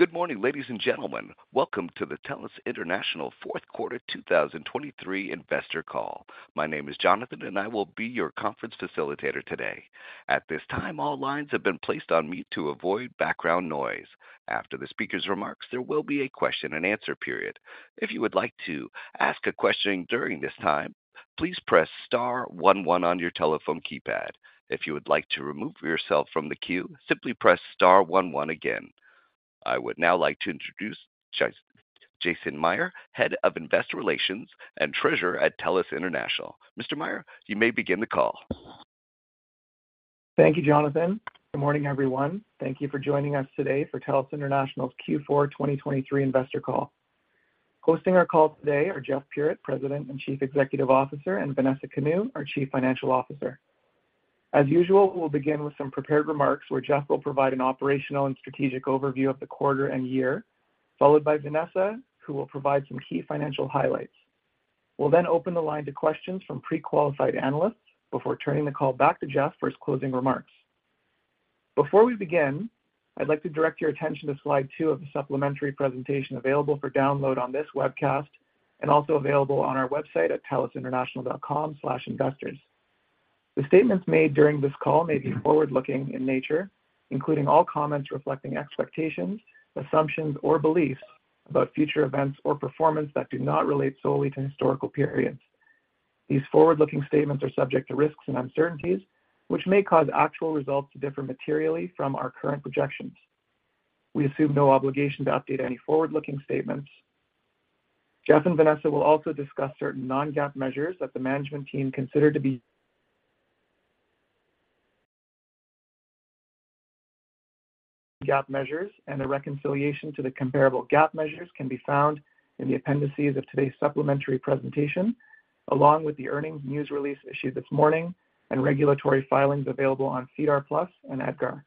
Good morning, ladies and gentlemen. Welcome to the TELUS International Q4 2023 Investor Call. My name is Jonathan, and I will be your conference facilitator today. At this time, all lines have been placed on mute to avoid background noise. After the speaker's remarks, there will be a question-and-answer period. If you would like to ask a question during this time, please press star one one on your telephone keypad. If you would like to remove yourself from the queue, simply press star one one again. I would now like to introduce Jason Mayr, Head of Investor Relations and Treasurer at TELUS International. Mr. Mayr, you may begin the call. Thank you, Jonathan. Good morning, everyone. Thank you for joining us today for TELUS International's Q4 2023 Investor Call. Hosting our call today are Jeff Puritt, President and Chief Executive Officer, and Vanessa Kanu, our Chief Financial Officer. As usual, we'll begin with some prepared remarks, where Jeff will provide an operational and strategic overview of the quarter and year, followed by Vanessa, who will provide some key financial highlights. We'll then open the line to questions from pre-qualified analysts before turning the call back to Jeff for his closing remarks. Before we begin, I'd like to direct your attention to slide two of the supplementary presentation available for download on this webcast and also available on our website at telusinternational.com/investors. The statements made during this call may be forward-looking in nature, including all comments reflecting expectations, assumptions, or beliefs about future events or performance that do not relate solely to historical periods. These forward-looking statements are subject to risks and uncertainties, which may cause actual results to differ materially from our current projections. We assume no obligation to update any forward-looking statements. Jeff and Vanessa will also discuss certain non-GAAP measures that the management team consider to be... GAAP measures, and a reconciliation to the comparable GAAP measures can be found in the appendices of today's supplementary presentation, along with the earnings news release issued this morning and regulatory filings available on SEDAR+ and EDGAR.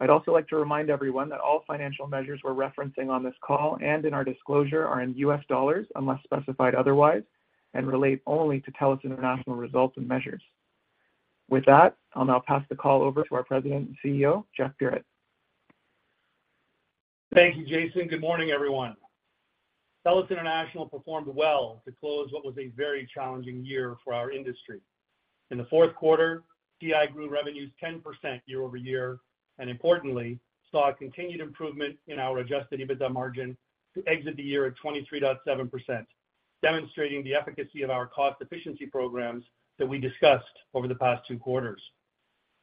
I'd also like to remind everyone that all financial measures we're referencing on this call and in our disclosure are in U.S. dollars, unless specified otherwise, and relate only to TELUS International results and measures. With that, I'll now pass the call over to our President and CEO, Jeff Puritt. Thank you, Jason. Good morning, everyone. TELUS International performed well to close what was a very challenging year for our industry. In the Q4, TI grew revenues 10% quarter-over-quarter, and importantly, saw a continued improvement in our adjusted EBITDA margin to exit the year at 23.7%, demonstrating the efficacy of our cost efficiency programs that we discussed over the past two quarters.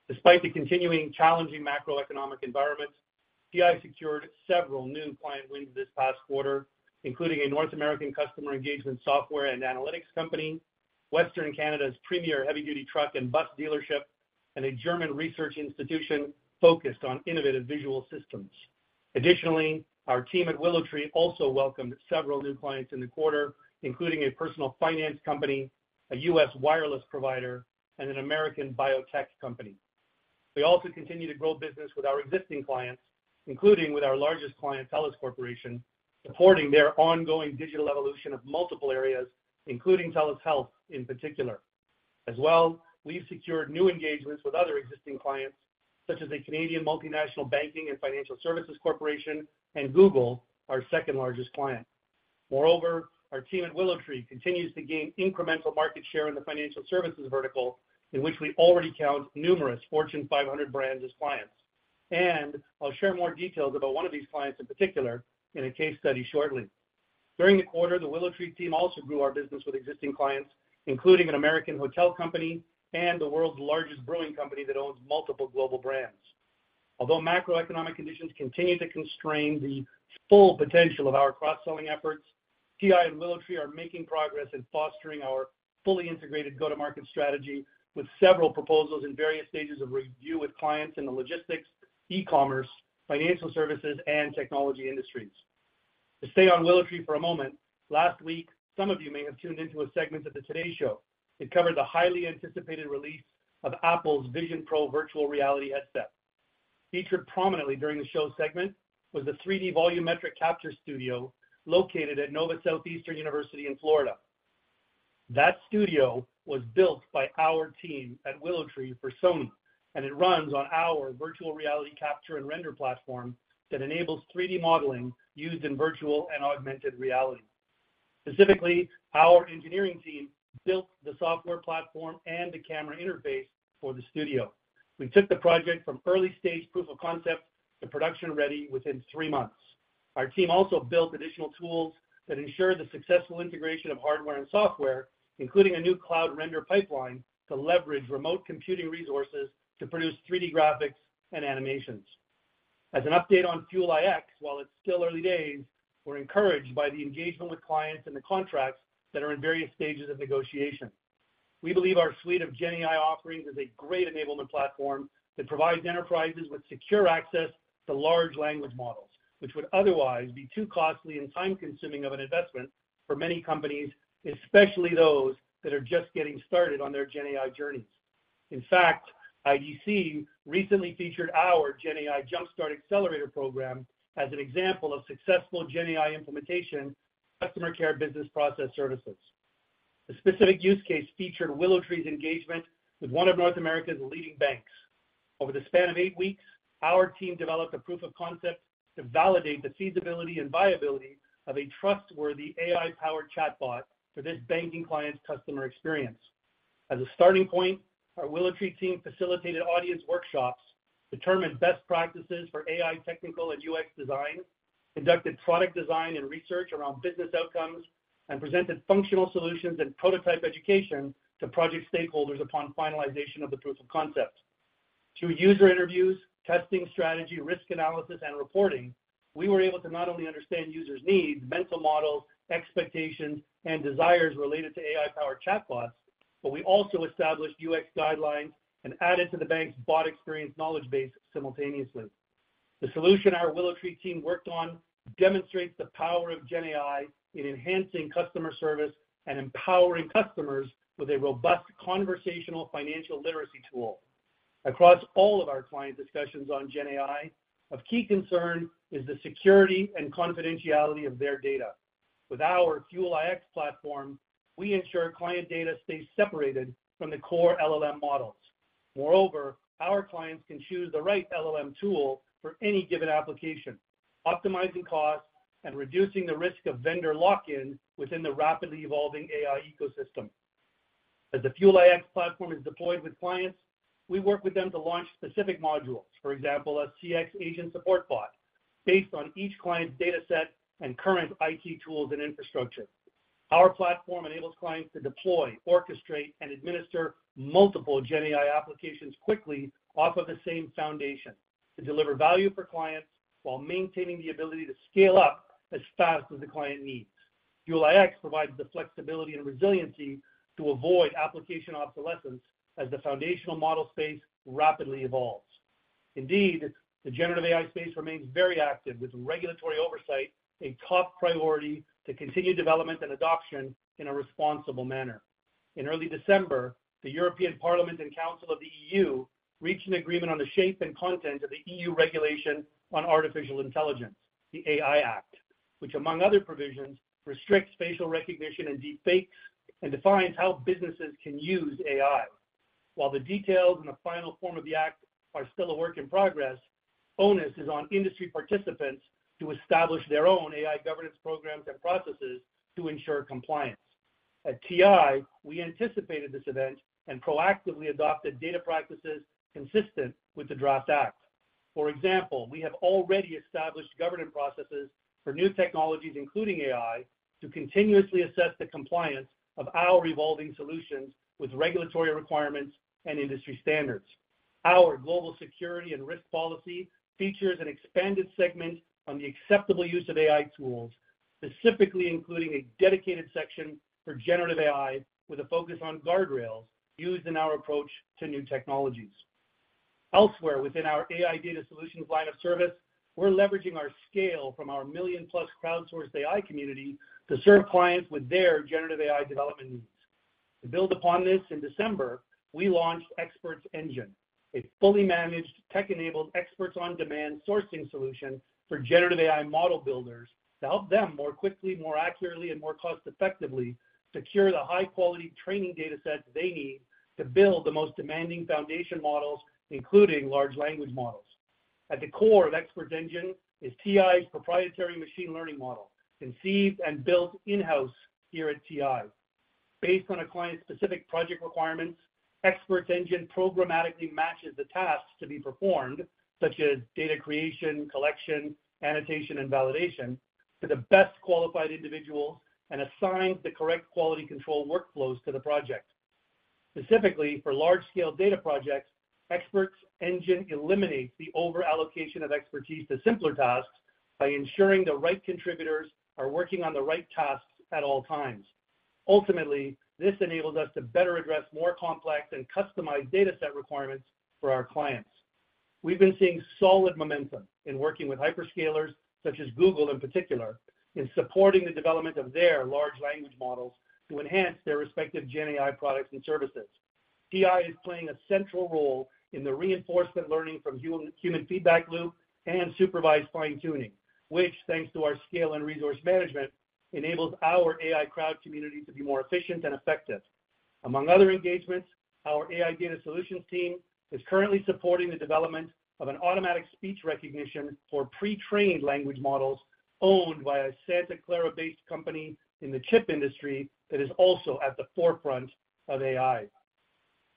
Despite the continuing challenging macroeconomic environment, TI secured several new client wins this past quarter, including a North American customer engagement software and analytics company, Western Canada's premier heavy-duty truck and bus dealership, and a German research institution focused on innovative visual systems. Additionally, our team at WillowTree also welcomed several new clients in the quarter, including a personal finance company, a U.S. wireless provider, and an American biotech company. We also continue to grow business with our existing clients, including with our largest client, TELUS Corporation, supporting their ongoing digital evolution of multiple areas, including TELUS Health in particular. As well, we've secured new engagements with other existing clients, such as a Canadian multinational banking and financial services corporation and Google, our second-largest client. Moreover, our team at WillowTree continues to gain incremental market share in the financial services vertical, in which we already count numerous Fortune 500 brands as clients. I'll share more details about one of these clients in particular in a case study shortly. During the quarter, the WillowTree team also grew our business with existing clients, including an American hotel company and the world's largest brewing company that owns multiple global brands. Although macroeconomic conditions continue to constrain the full potential of our cross-selling efforts, TI and WillowTree are making progress in fostering our fully integrated go-to-market strategy, with several proposals in various stages of review with clients in the logistics, e-commerce, financial services, and technology industries. To stay on WillowTree for a moment, last week, some of you may have tuned into a segment of the Today Show. It covered the highly anticipated release of Apple's Vision Pro virtual reality headset. Featured prominently during the show segment was the 3D volumetric capture studio located at Nova Southeastern University in Florida. That studio was built by our team at WillowTree for Sony, and it runs on our virtual reality capture and render platform that enables 3D modeling used in virtual and augmented reality. Specifically, our engineering team built the software platform and the camera interface for the studio. We took the project from early-stage proof of concept to production-ready within 3 months. Our team also built additional tools that ensure the successful integration of hardware and software, including a new cloud render pipeline, to leverage remote computing resources to produce 3D graphics and animations. As an update on Fuel iX, while it's still early days, we're encouraged by the engagement with clients and the contracts that are in various stages of negotiation. We believe our suite of GenAI offerings is a great enablement platform that provides enterprises with secure access to large language models, which would otherwise be too costly and time-consuming of an investment for many companies, especially those that are just getting started on their GenAI journeys. In fact, IDC recently featured our GenAI Jumpstart Accelerator Program as an example of successful GenAI implementation, customer care business process services.... The specific use case featured WillowTree's engagement with one of North America's leading banks. Over the span of eight weeks, our team developed a proof of concept to validate the feasibility and viability of a trustworthy AI-powered chatbot for this banking client's customer experience. As a starting point, our WillowTree team facilitated audience workshops, determined best practices for AI technical and UX design, conducted product design and research around business outcomes, and presented functional solutions and prototype education to project stakeholders upon finalization of the proof of concept. Through user interviews, testing, strategy, risk analysis, and reporting, we were able to not only understand users' needs, mental models, expectations, and desires related to AI-powered chatbots, but we also established UX guidelines and added to the bank's bot experience knowledge base simultaneously. The solution our WillowTree team worked on demonstrates the power of GenAI in enhancing customer service and empowering customers with a robust conversational financial literacy tool. Across all of our client discussions on GenAI, of key concern is the security and confidentiality of their data. With our Fuel iX platform, we ensure client data stays separated from the core LLM models. Moreover, our clients can choose the right LLM tool for any given application, optimizing costs and reducing the risk of vendor lock-in within the rapidly evolving AI ecosystem. As the Fuel iX platform is deployed with clients, we work with them to launch specific modules. For example, a CX agent support bot, based on each client's data set and current IT tools and infrastructure. Our platform enables clients to deploy, orchestrate, and administer multiple GenAI applications quickly off of the same foundation, to deliver value for clients while maintaining the ability to scale up as fast as the client needs. Fuel iX provides the flexibility and resiliency to avoid application obsolescence as the foundational model space rapidly evolves. Indeed, the generative AI space remains very active, with regulatory oversight a top priority to continue development and adoption in a responsible manner. In early December, the European Parliament and Council of the EU reached an agreement on the shape and content of the EU Regulation on Artificial Intelligence, the AI Act, which among other provisions, restricts facial recognition and deepfakes, and defines how businesses can use AI. While the details and the final form of the act are still a work in progress, onus is on industry participants to establish their own AI governance programs and processes to ensure compliance. At TI, we anticipated this event and proactively adopted data practices consistent with the Draft Act. For example, we have already established governance processes for new technologies, including AI, to continuously assess the compliance of our evolving solutions with regulatory requirements and industry standards. Our global security and risk policy features an expanded segment on the acceptable use of AI tools, specifically including a dedicated section for generative AI, with a focus on guardrails used in our approach to new technologies. Elsewhere, within our AI data solutions line of service, we're leveraging our scale from our million-plus crowdsourced AI community to serve clients with their generative AI development needs. To build upon this, in December, we launched Experts Engine, a fully managed, tech-enabled, experts-on-demand sourcing solution for generative AI model builders to help them more quickly, more accurately, and more cost-effectively secure the high-quality training data sets they need to build the most demanding foundation models, including large language models. At the core of Experts Engine is TI's proprietary machine learning model, conceived and built in-house here at TI. Based on a client's specific project requirements, Experts Engine programmatically matches the tasks to be performed, such as data creation, collection, annotation, and validation, to the best qualified individual and assigns the correct quality control workflows to the project. Specifically, for large-scale data projects, Experts Engine eliminates the over-allocation of expertise to simpler tasks by ensuring the right contributors are working on the right tasks at all times. Ultimately, this enables us to better address more complex and customized data set requirements for our clients. We've been seeing solid momentum in working with hyperscalers, such as Google in particular, in supporting the development of their large language models to enhance their respective GenAI products and services. TI is playing a central role in the reinforcement learning from human feedback loop and supervised fine-tuning, which, thanks to our scale and resource management, enables our AI crowd community to be more efficient and effective. Among other engagements, our AI data solutions team is currently supporting the development of an automatic speech recognition for pre-trained language models owned by a Santa Clara-based company in the chip industry that is also at the forefront of AI.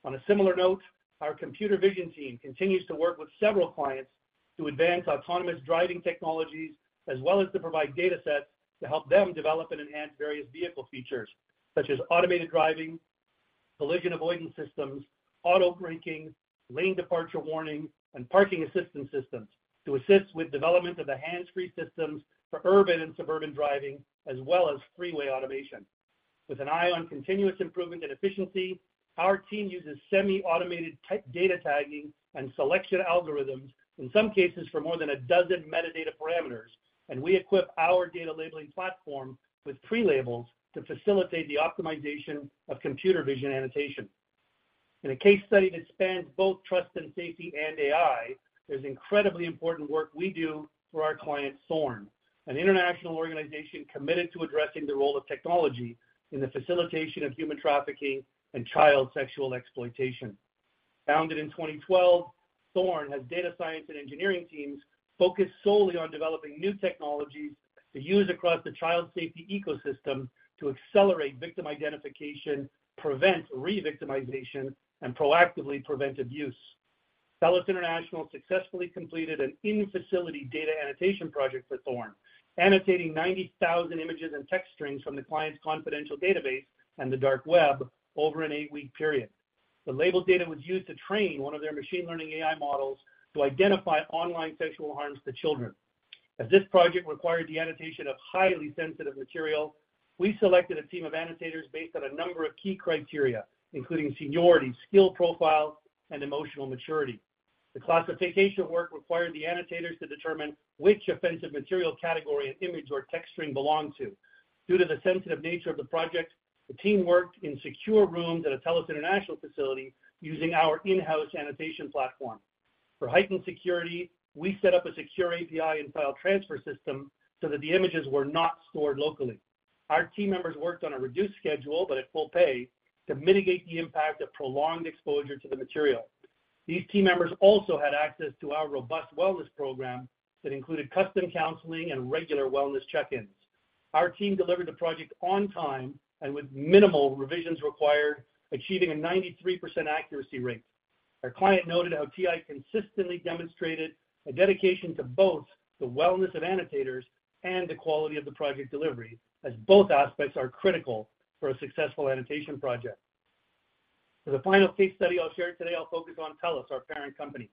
On a similar note, our computer vision team continues to work with several clients to advance autonomous driving technologies, as well as to provide data sets to help them develop and enhance various vehicle features, such as automated driving, collision avoidance systems, auto braking, lane departure warning, and parking assistance systems to assist with development of the hands-free systems for urban and suburban driving, as well as freeway automation. With an eye on continuous improvement and efficiency, our team uses semi-automated type data tagging and selection algorithms, in some cases for more than a dozen metadata parameters, and we equip our data labeling platform with pre-labels to facilitate the optimization of computer vision annotation. In a case study that spans both trust and safety and AI, there's incredibly important work we do for our client, Thorn, an international organization committed to addressing the role of technology in the facilitation of human trafficking and child sexual exploitation. Founded in 2012, Thorn has data science and engineering teams focused solely on developing new technologies to use across the child safety ecosystem to accelerate victim identification, prevent re-victimization, and proactively prevent abuse. TELUS International successfully completed an in-facility data annotation project for Thorn, annotating 90,000 images and text strings from the client's confidential database and the dark web over an eight-week period. The labeled data was used to train one of their machine learning AI models to identify online sexual harms to children. As this project required the annotation of highly sensitive material, we selected a team of annotators based on a number of key criteria, including seniority, skill profile, and emotional maturity. The classification work required the annotators to determine which offensive material, category, and image or text string belonged to. Due to the sensitive nature of the project, the team worked in secure rooms at a TELUS International facility using our in-house annotation platform. For heightened security, we set up a secure API and file transfer system so that the images were not stored locally. Our team members worked on a reduced schedule, but at full pay, to mitigate the impact of prolonged exposure to the material. These team members also had access to our robust wellness program that included custom counseling and regular wellness check-ins. Our team delivered the project on time and with minimal revisions required, achieving a 93% accuracy rate. Our client noted how TI consistently demonstrated a dedication to both the wellness of annotators and the quality of the project delivery, as both aspects are critical for a successful annotation project. For the final case study I'll share today, I'll focus on TELUS, our parent company.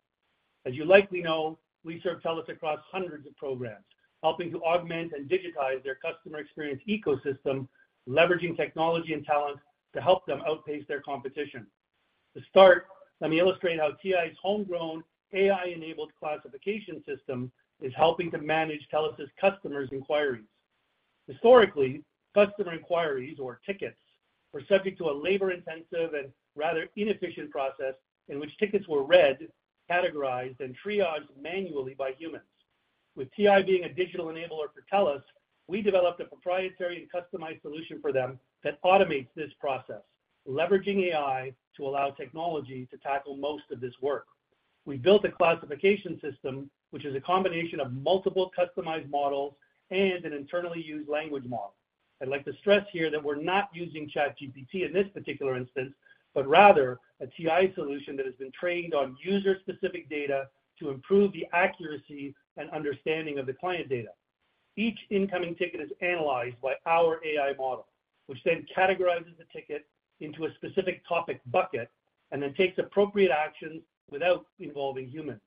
As you likely know, we serve TELUS across hundreds of programs, helping to augment and digitize their customer experience ecosystem, leveraging technology and talent to help them outpace their competition. To start, let me illustrate how TI's homegrown AI-enabled classification system is helping to manage TELUS's customers' inquiries. Historically, customer inquiries or tickets were subject to a labor-intensive and rather inefficient process in which tickets were read, categorized, and triaged manually by humans. With TI being a digital enabler for TELUS, we developed a proprietary and customized solution for them that automates this process, leveraging AI to allow technology to tackle most of this work. We built a classification system, which is a combination of multiple customized models and an internally used language model. I'd like to stress here that we're not using ChatGPT in this particular instance, but rather a TI solution that has been trained on user-specific data to improve the accuracy and understanding of the client data. Each incoming ticket is analyzed by our AI model, which then categorizes the ticket into a specific topic bucket and then takes appropriate action without involving humans.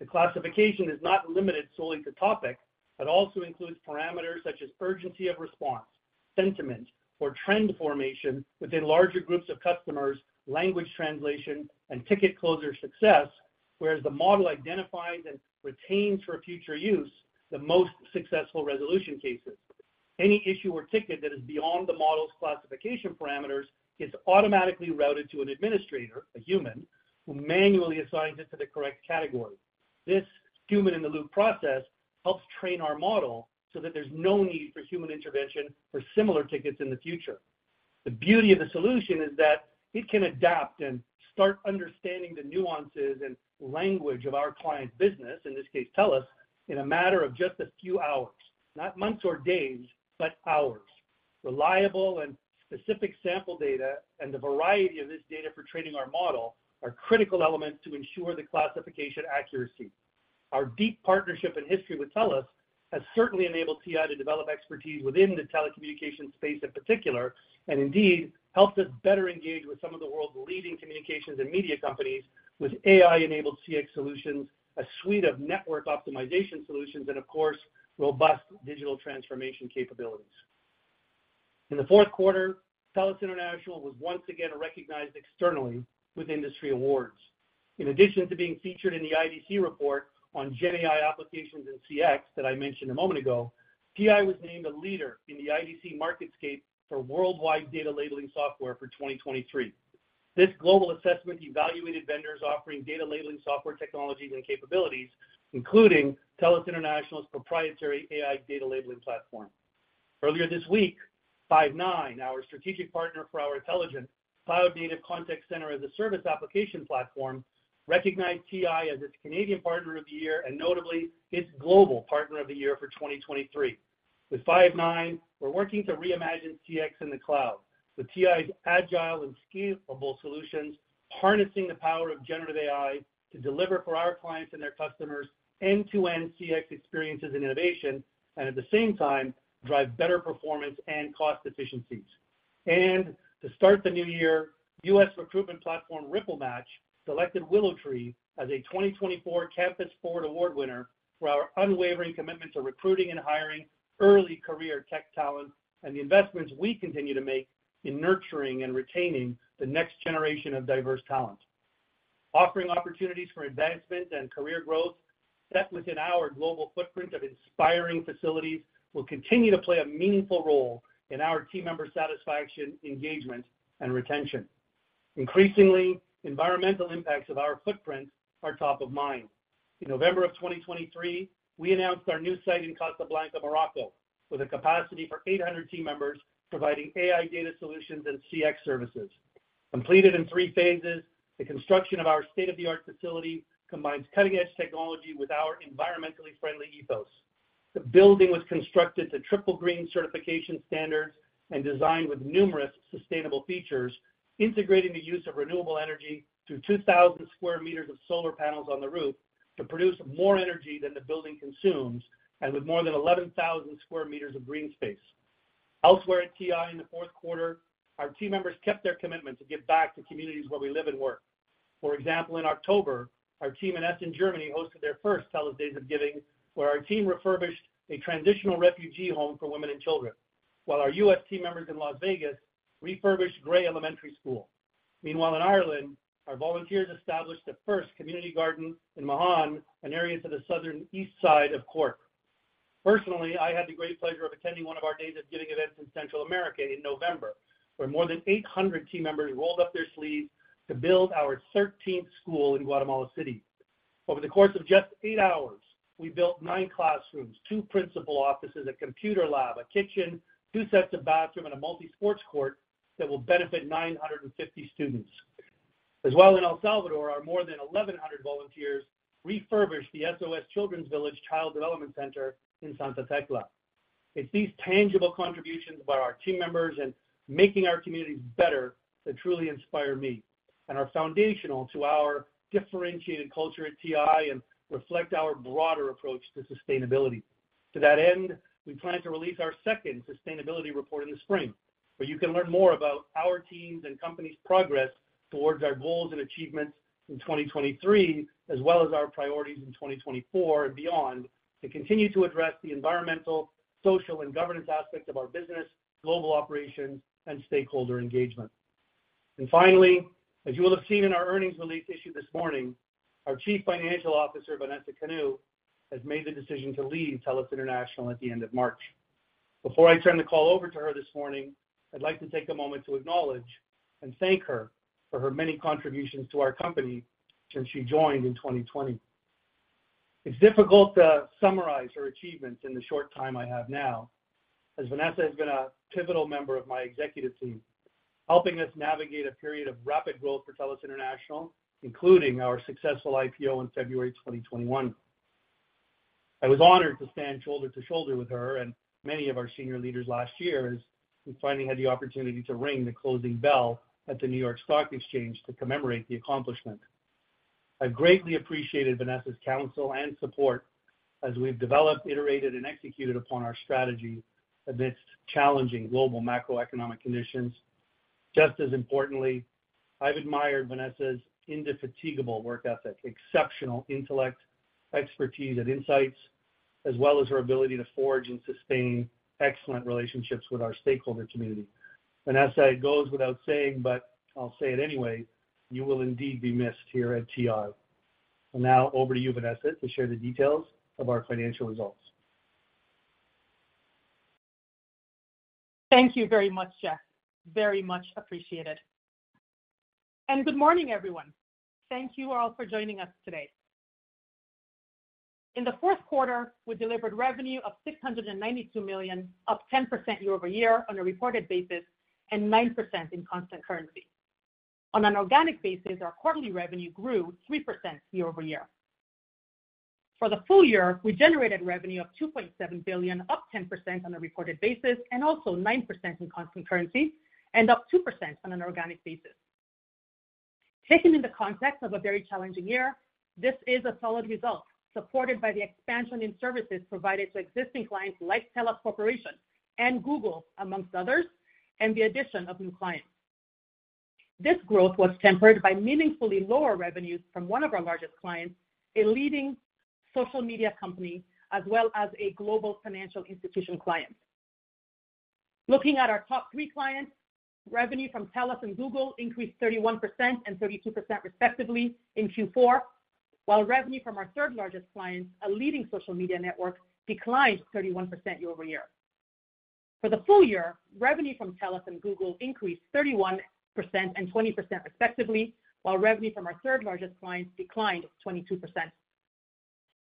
The classification is not limited solely to topic, but also includes parameters such as urgency of response, sentiment or trend formation within larger groups of customers, language translation, and ticket closure success, whereas the model identifies and retains for future use the most successful resolution cases. Any issue or ticket that is beyond the model's classification parameters is automatically routed to an administrator, a human, who manually assigns it to the correct category. This human-in-the-loop process helps train our model so that there's no need for human intervention for similar tickets in the future. The beauty of the solution is that it can adapt and start understanding the nuances and language of our client's business, in this case, TELUS, in a matter of just a few hours, not months or days, but hours. Reliable and specific sample data and the variety of this data for training our model are critical elements to ensure the classification accuracy. Our deep partnership and history with TELUS has certainly enabled TI to develop expertise within the telecommunications space in particular, and indeed helped us better engage with some of the world's leading communications and media companies with AI-enabled CX solutions, a suite of network optimization solutions, and of course, robust digital transformation capabilities. In the Q4, TELUS International was once again recognized externally with industry awards. In addition to being featured in the IDC report on GenAI applications in CX that I mentioned a moment ago, TI was named a leader in the IDC MarketScape for Worldwide Data Labeling Software for 2023. This global assessment evaluated vendors offering data labeling, software technologies, and capabilities, including TELUS International's proprietary AI data labeling platform. Earlier this week, Five9, our strategic partner for our intelligent cloud-native contact center as a service application platform, recognized TI as its Canadian Partner of the Year and notably, its Global Partner of the Year for 2023. With Five9, we're working to reimagine CX in the cloud, with TI's agile and scalable solutions, harnessing the power of generative AI to deliver for our clients and their customers end-to-end CX experiences and innovation, and at the same time, drive better performance and cost efficiencies. To start the new year, U.S. recruitment platform, RippleMatch, selected WillowTree as a 2024 Campus Forward Award winner for our unwavering commitment to recruiting and hiring early career tech talent, and the investments we continue to make in nurturing and retaining the next generation of diverse talent.... Offering opportunities for advancement and career growth, set within our global footprint of inspiring facilities, will continue to play a meaningful role in our team member satisfaction, engagement, and retention. Increasingly, environmental impacts of our footprint are top of mind. In November of 2023, we announced our new site in Casablanca, Morocco, with a capacity for 800 team members, providing AI data solutions and CX services. Completed in 3 phases, the construction of our state-of-the-art facility combines cutting-edge technology with our environmentally friendly ethos. The building was constructed to triple green certification standards and designed with numerous sustainable features, integrating the use of renewable energy through 2,000 square meters of solar panels on the roof to produce more energy than the building consumes, and with more than 11,000 square meters of green space. Elsewhere at TI in the Q4, our team members kept their commitment to give back to communities where we live and work. For example, in October, our team in Essen, Germany, hosted their first TELUS Days of Giving, where our team refurbished a transitional refugee home for women and children, while our U.S. team members in Las Vegas refurbished Gray Elementary School. Meanwhile, in Ireland, our volunteers established the first community garden in Mahon, an area to the southeast side of Cork. Personally, I had the great pleasure of attending one of our Days of Giving events in Central America in November, where more than 800 team members rolled up their sleeves to build our thirteenth school in Guatemala City. Over the course of just 8 hours, we built 9 classrooms, 2 principal offices, a computer lab, a kitchen, 2 sets of bathroom, and a multi-sports court that will benefit 950 students. As well, in El Salvador, our more than 1,100 volunteers refurbished the SOS Children's Village Child Development Center in Santa Tecla. It's these tangible contributions by our team members in making our communities better that truly inspire me and are foundational to our differentiated culture at TI and reflect our broader approach to sustainability. To that end, we plan to release our second sustainability report in the spring, where you can learn more about our teams and company's progress towards our goals and achievements in 2023, as well as our priorities in 2024 and beyond, to continue to address the environmental, social, and governance aspects of our business, global operations, and stakeholder engagement. And finally, as you will have seen in our earnings release issued this morning, our Chief Financial Officer, Vanessa Kanu, has made the decision to leave TELUS International at the end of March. Before I turn the call over to her this morning, I'd like to take a moment to acknowledge and thank her for her many contributions to our company since she joined in 2020. It's difficult to summarize her achievements in the short time I have now, as Vanessa has been a pivotal member of my executive team, helping us navigate a period of rapid growth for TELUS International, including our successful IPO in February 2021. I was honored to stand shoulder to shoulder with her and many of our senior leaders last year, as we finally had the opportunity to ring the closing bell at the New York Stock Exchange to commemorate the accomplishment. I've greatly appreciated Vanessa's counsel and support as we've developed, iterated, and executed upon our strategy amidst challenging global macroeconomic conditions. Just as importantly, I've admired Vanessa's indefatigable work ethic, exceptional intellect, expertise and insights, as well as her ability to forge and sustain excellent relationships with our stakeholder community. Vanessa, it goes without saying, but I'll say it anyway, you will indeed be missed here at TI. Now, over to you, Vanessa, to share the details of our financial results. Thank you very much, Jeff. Very much appreciated. Good morning, everyone. Thank you all for joining us today. In the Q4, we delivered revenue of $692 million, up 10% quarter-over-quarter on a reported basis, and 9% in constant currency. On an organic basis, our quarterly revenue grew 3% quarter-over-quarter. For the full year, we generated revenue of $2.7 billion, up 10% on a reported basis, and also 9% in constant currency, and up 2% on an organic basis. Taken in the context of a very challenging year, this is a solid result, supported by the expansion in services provided to existing clients like TELUS Corporation and Google, amongst others, and the addition of new clients. This growth was tempered by meaningfully lower revenues from one of our largest clients, a leading social media company, as well as a global financial institution client. Looking at our top three clients, revenue from TELUS and Google increased 31% and 32%, respectively, in Q4, while revenue from our third-largest client, a leading social media network, declined 31% quarter-over-quarter. For the full year, revenue from TELUS and Google increased 31% and 20%, respectively, while revenue from our third-largest client declined 22%.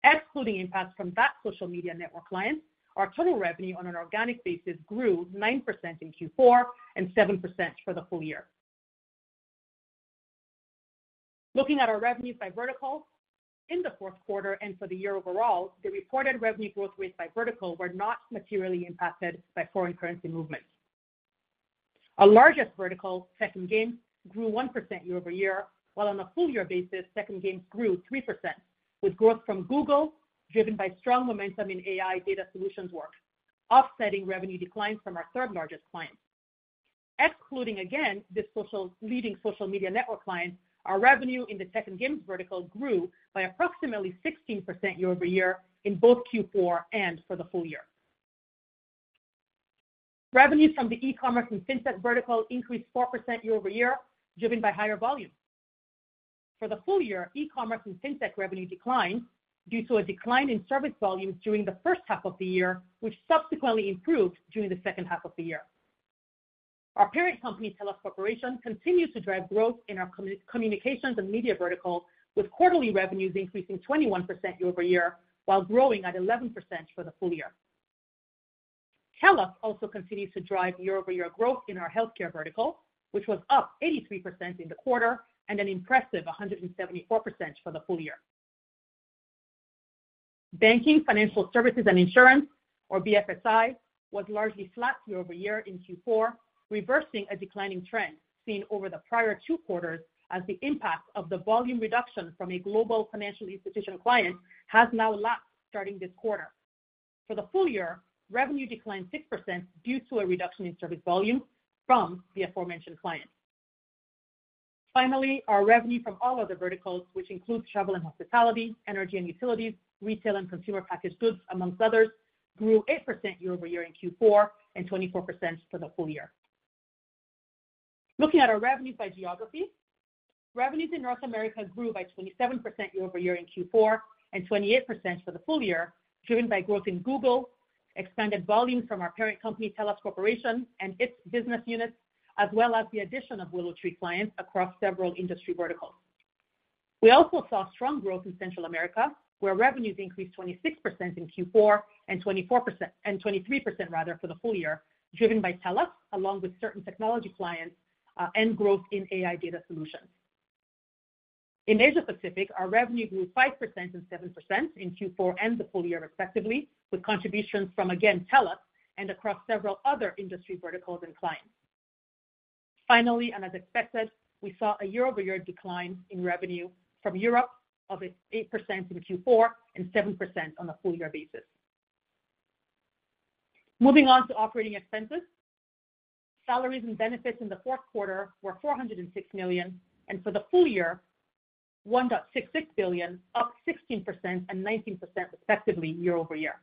Excluding impacts from that social media network client, our total revenue on an organic basis grew 9% in Q4 and 7% for the full year. Looking at our revenues by vertical, in the Q4 and for the year overall, the reported revenue growth rates by vertical were not materially impacted by foreign currency movements. Our largest vertical, Tech and Games, grew 1% quarter-over-quarter, while on a full year basis, Tech and Games grew 3%, with growth from Google driven by strong momentum in AI data solutions work, offsetting revenue declines from our third-largest client. Excluding, again, this social-leading social media network client, our revenue in the Tech and Games vertical grew by approximately 16% quarter-over-quarter in both Q4 and for the full year. Revenues from the e-commerce and fintech vertical increased 4% quarter-over-quarter, driven by higher volumes. For the full year, e-commerce and fintech revenue declined due to a decline in service volumes during the H1 of the year, which subsequently improved during the H2 of the year. Our parent company, TELUS Corporation, continues to drive growth in our communications and media vertical, with quarterly revenues increasing 21% quarter-over-quarter, while growing at 11% for the full year. TELUS also continues to drive quarter-over-quarter growth in our healthcare vertical, which was up 83% in the quarter and an impressive 174% for the full year. Banking, financial services, and insurance, or BFSI, was largely flat quarter-over-quarter in Q4, reversing a declining trend seen over the prior two quarters as the impact of the volume reduction from a global financial institution client has now lapsed starting this quarter. For the full year, revenue declined 6% due to a reduction in service volume from the aforementioned client. Finally, our revenue from all other verticals, which includes travel and hospitality, energy and utilities, retail and consumer packaged goods, amongst others, grew 8% quarter-over-quarter in Q4 and 24% for the full year. Looking at our revenues by geography. Revenues in North America grew by 27% quarter-over-quarter in Q4 and 28% for the full year, driven by growth in Google, expanded volumes from our parent company, TELUS Corporation, and its business units, as well as the addition of WillowTree clients across several industry verticals. We also saw strong growth in Central America, where revenues increased 26% in Q4 and 24%-- and 23% rather, for the full year, driven by TELUS, along with certain technology clients, and growth in AI data solutions. In Asia Pacific, our revenue grew 5% and 7% in Q4 and the full year, respectively, with contributions from, again, TELUS and across several other industry verticals and clients. Finally, and as expected, we saw a quarter-over-quarter decline in revenue from Europe of 8% in Q4 and 7% on a full-year basis. Moving on to operating expenses. Salaries and benefits in the Q4 were $406 million, and for the full year, $1.66 billion, up 16% and 19% respectively quarter-over-quarter.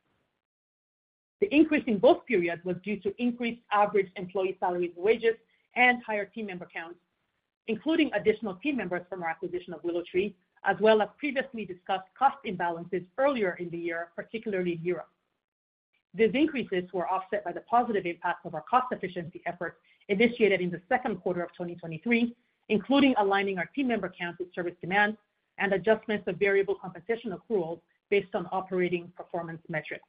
The increase in both periods was due to increased average employee salaries and wages and higher team member counts, including additional team members from our acquisition of WillowTree, as well as previously discussed cost imbalances earlier in the year, particularly in Europe. These increases were offset by the positive impact of our cost efficiency efforts initiated in the Q2 of 2023, including aligning our team member counts with service demand and adjustments of variable compensation accruals based on operating performance metrics.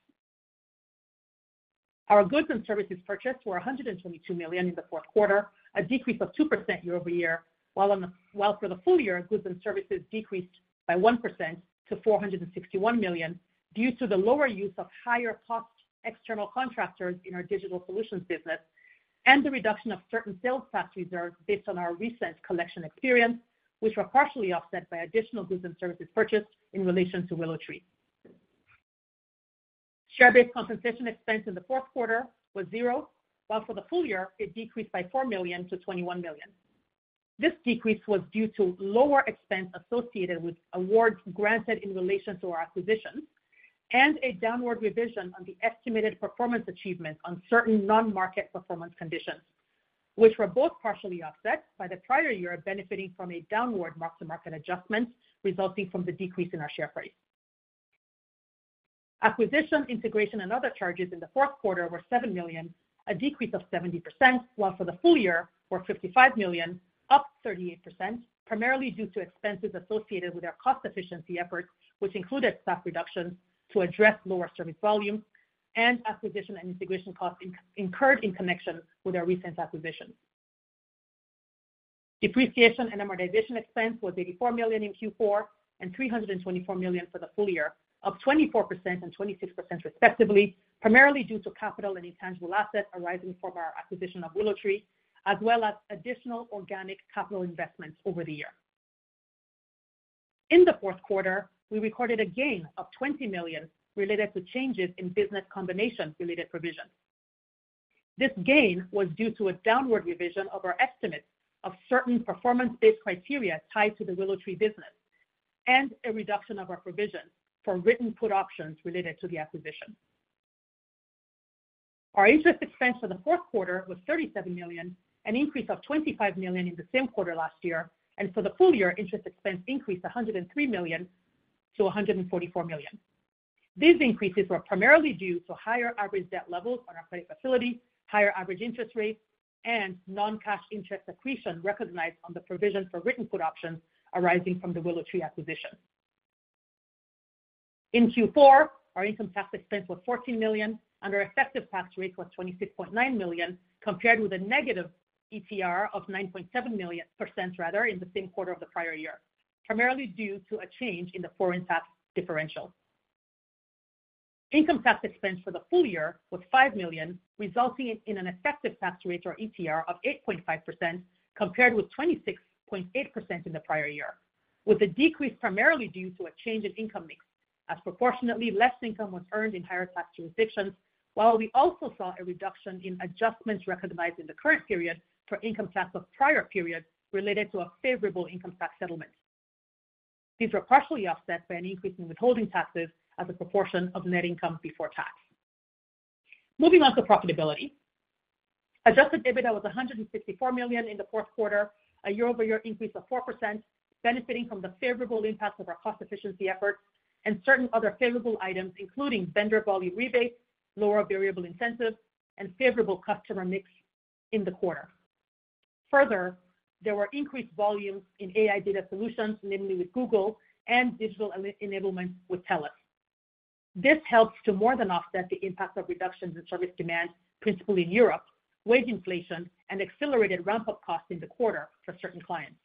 Our goods and services purchased were $122 million in the Q4, a decrease of 2% quarter-over-quarter, while for the full year, goods and services decreased by 1% to $461 million due to the lower use of higher-cost external contractors in our digital solutions business and the reduction of certain sales tax reserves based on our recent collection experience, which were partially offset by additional goods and services purchased in relation to WillowTree. Share-based compensation expense in the Q4 was $0, while for the full year it decreased by $4 million to $21 million. This decrease was due to lower expense associated with awards granted in relation to our acquisitions and a downward revision on the estimated performance achievement on certain non-market performance conditions, which were both partially offset by the prior year, benefiting from a downward mark-to-market adjustment resulting from the decrease in our share price. Acquisition, integration, and other charges in the Q4 were $7 million, a decrease of 70%, while for the full year were $55 million, up 38%, primarily due to expenses associated with our cost efficiency efforts, which included staff reductions to address lower service volumes and acquisition and integration costs incurred in connection with our recent acquisition. Depreciation and amortization expense was $84 million in Q4 and $324 million for the full year, up 24% and 26% respectively, primarily due to capital and intangible assets arising from our acquisition of WillowTree, as well as additional organic capital investments over the year. In the Q4, we recorded a gain of $20 million related to changes in business combination-related provisions. This gain was due to a downward revision of our estimates of certain performance-based criteria tied to the WillowTree business and a reduction of our provision for written put options related to the acquisition. Our interest expense for the Q4 was $37 million, an increase of $25 million in the same quarter last year, and for the full year, interest expense increased $103 million to $144 million. These increases were primarily due to higher average debt levels on our credit facility, higher average interest rates, and non-cash interest accretion recognized on the provision for written put options arising from the WillowTree acquisition. In Q4, our income tax expense was $14 million, and our effective tax rate was 26.9%, compared with a negative ETR of -9.7%, in the same quarter of the prior year, primarily due to a change in the foreign tax differential. Income tax expense for the full year was $5 million, resulting in an effective tax rate, or ETR, of 8.5%, compared with 26.8% in the prior year, with the decrease primarily due to a change in income mix, as proportionately less income was earned in higher tax jurisdictions, while we also saw a reduction in adjustments recognized in the current period for income tax of prior periods related to a favorable income tax settlement. These were partially offset by an increase in withholding taxes as a proportion of net income before tax. Moving on to profitability. Adjusted EBITDA was $164 million in the Q4, a quarter-over-quarter increase of 4%, benefiting from the favorable impact of our cost efficiency efforts and certain other favorable items, including vendor volume rebates, lower variable incentives, and favorable customer mix in the quarter. Further, there were increased volumes in AI data solutions, namely with Google and digital enablement with TELUS. This helps to more than offset the impact of reductions in service demand, principally in Europe, wage inflation, and accelerated ramp-up costs in the quarter for certain clients.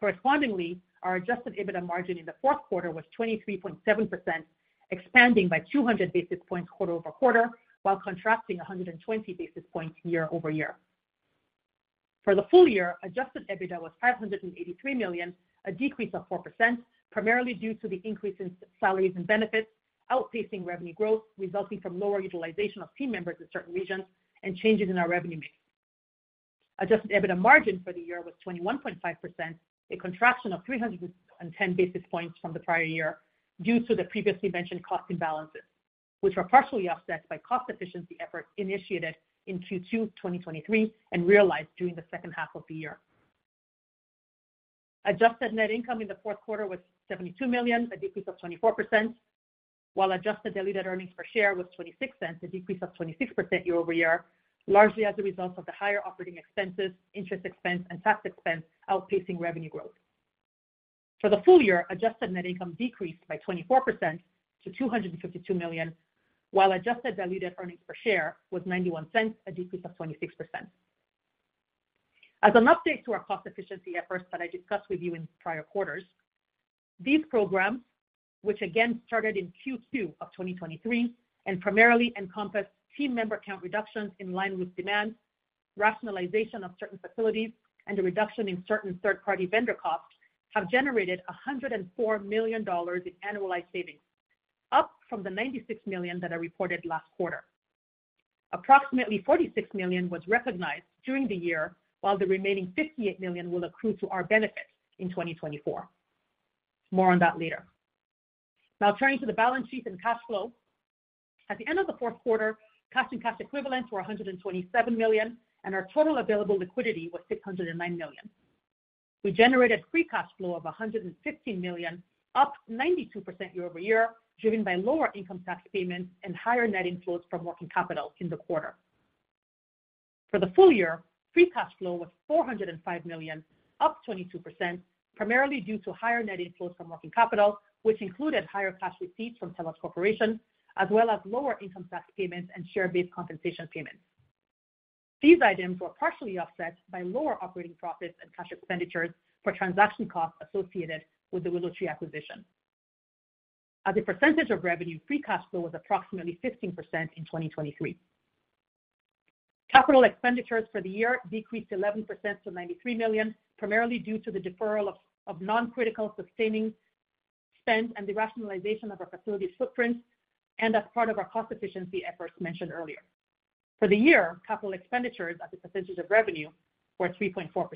Correspondingly, our Adjusted EBITDA margin in the Q4 was 23.7%, expanding by 200 basis points quarter-over-quarter, while contracting 120 basis points quarter-over-quarter. For the full year, Adjusted EBITDA was $583 million, a decrease of 4%, primarily due to the increase in salaries and benefits, outpacing revenue growth, resulting from lower utilization of team members in certain regions and changes in our revenue mix. Adjusted EBITDA margin for the year was 21.5%, a contraction of 310 basis points from the prior year due to the previously mentioned cost imbalances, which were partially offset by cost efficiency efforts initiated in Q2 2023 and realized during the H2 of the year. Adjusted net income in the Q4 was $72 million, a decrease of 24%, while adjusted diluted earnings per share was $0.26, a decrease of 26% quarter-over-quarter, largely as a result of the higher operating expenses, interest expense, and tax expense outpacing revenue growth. For the full year, adjusted net income decreased by 24% to $252 million, while adjusted diluted earnings per share was $0.91, a decrease of 26%. As an update to our cost efficiency efforts that I discussed with you in prior quarters, these programs, which again started in Q2 of 2023 and primarily encompass team member count reductions in line with demand, rationalization of certain facilities, and a reduction in certain third-party vendor costs, have generated $104 million in annualized savings, up from the $96 million that I reported last quarter. Approximately $46 million was recognized during the year, while the remaining $58 million will accrue to our benefit in 2024. More on that later. Now, turning to the balance sheet and cash flow. At the end of the Q4, cash and cash equivalents were $127 million, and our total available liquidity was $609 million. We generated free cash flow of $115 million, up 92% quarter-over-quarter, driven by lower income tax payments and higher net inflows from working capital in the quarter. For the full year, free cash flow was $405 million, up 22%, primarily due to higher net inflows from working capital, which included higher cash receipts from TELUS Corporation, as well as lower income tax payments and share-based compensation payments. These items were partially offset by lower operating profits and cash expenditures for transaction costs associated with the WillowTree acquisition. As a percentage of revenue, free cash flow was approximately 15% in 2023. Capital expenditures for the year decreased 11% to $93 million, primarily due to the deferral of non-critical sustaining spend and the rationalization of our facility footprint, and as part of our cost efficiency efforts mentioned earlier. For the year, capital expenditures as a percentage of revenue were 3.4%.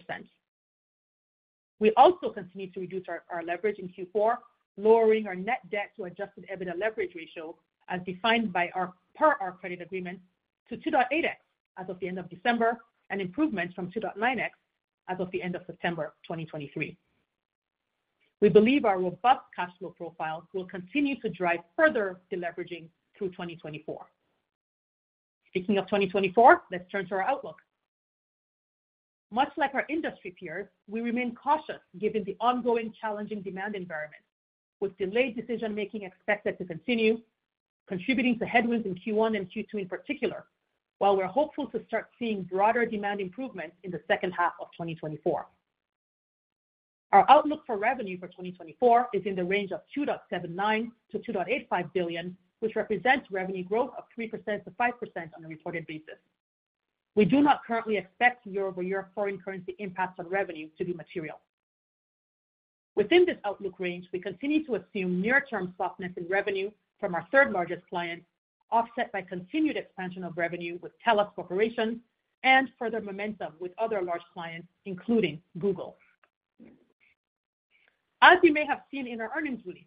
We also continued to reduce our our leverage in Q4, lowering our net debt to Adjusted EBITDA leverage ratio as defined by our per our credit agreement to 2.8x as of the end of December, an improvement from 2.9x as of the end of September 2023. We believe our robust cash flow profile will continue to drive further deleveraging through 2024. Speaking of 2024, let's turn to our outlook. Much like our industry peers, we remain cautious given the ongoing challenging demand environment, with delayed decision-making expected to continue, contributing to headwinds in Q1 and Q2 in particular, while we're hopeful to start seeing broader demand improvements in the H2 of 2024. Our outlook for revenue for 2024 is in the range of $2.79 billion-$2.85 billion, which represents revenue growth of 3%-5% on a reported basis. We do not currently expect quarter-over-quarter foreign currency impacts on revenue to be material. Within this outlook range, we continue to assume near-term softness in revenue from our third-largest client, offset by continued expansion of revenue with TELUS Corporation and further momentum with other large clients, including Google. As you may have seen in our earnings release,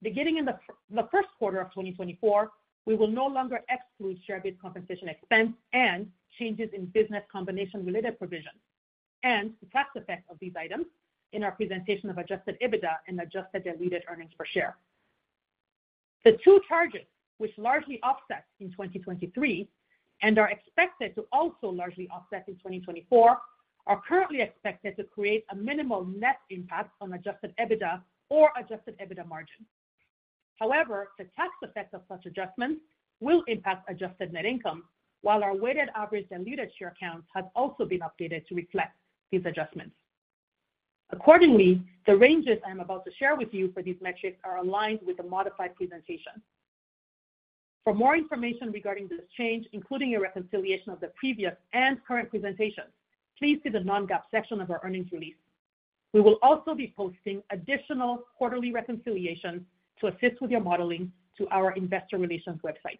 beginning in the Q1 of 2024, we will no longer exclude share-based compensation expense and changes in business combination-related provisions and the tax effects of these items in our presentation of adjusted EBITDA and adjusted diluted earnings per share. The two charges, which largely offset in 2023 and are expected to also largely offset in 2024, are currently expected to create a minimal net impact on Adjusted EBITDA or Adjusted EBITDA margin. However, the tax effect of such adjustments will impact adjusted net income, while our weighted average and diluted share counts have also been updated to reflect these adjustments. Accordingly, the ranges I'm about to share with you for these metrics are aligned with the modified presentation. For more information regarding this change, including a reconciliation of the previous and current presentations, please see the non-GAAP section of our earnings release. We will also be posting additional quarterly reconciliations to assist with your modeling to our investor relations website....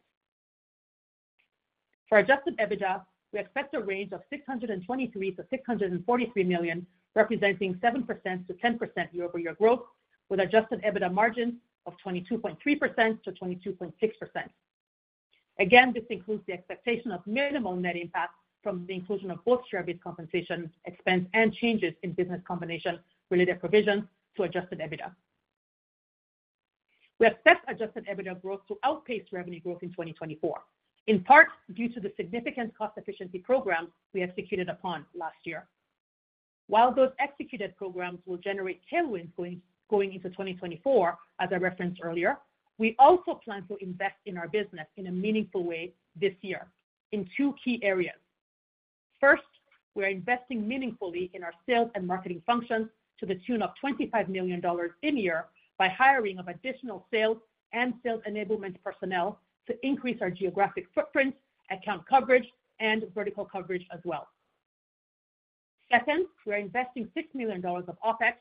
For adjusted EBITDA, we expect a range of $623 million-$643 million, representing 7%-10% quarter-over-quarter growth, with adjusted EBITDA margin of 22.3%-22.6%. Again, this includes the expectation of minimal net impact from the inclusion of both share-based compensation expense and changes in business combination related provisions to adjusted EBITDA. We expect adjusted EBITDA growth to outpace revenue growth in 2024, in part due to the significant cost efficiency program we executed upon last year. While those executed programs will generate tailwinds going into 2024, as I referenced earlier, we also plan to invest in our business in a meaningful way this year in two key areas. First, we are investing meaningfully in our sales and marketing functions to the tune of $25 million in year by hiring of additional sales and sales enablement personnel to increase our geographic footprint, account coverage, and vertical coverage as well. Second, we are investing $6 million of OpEx,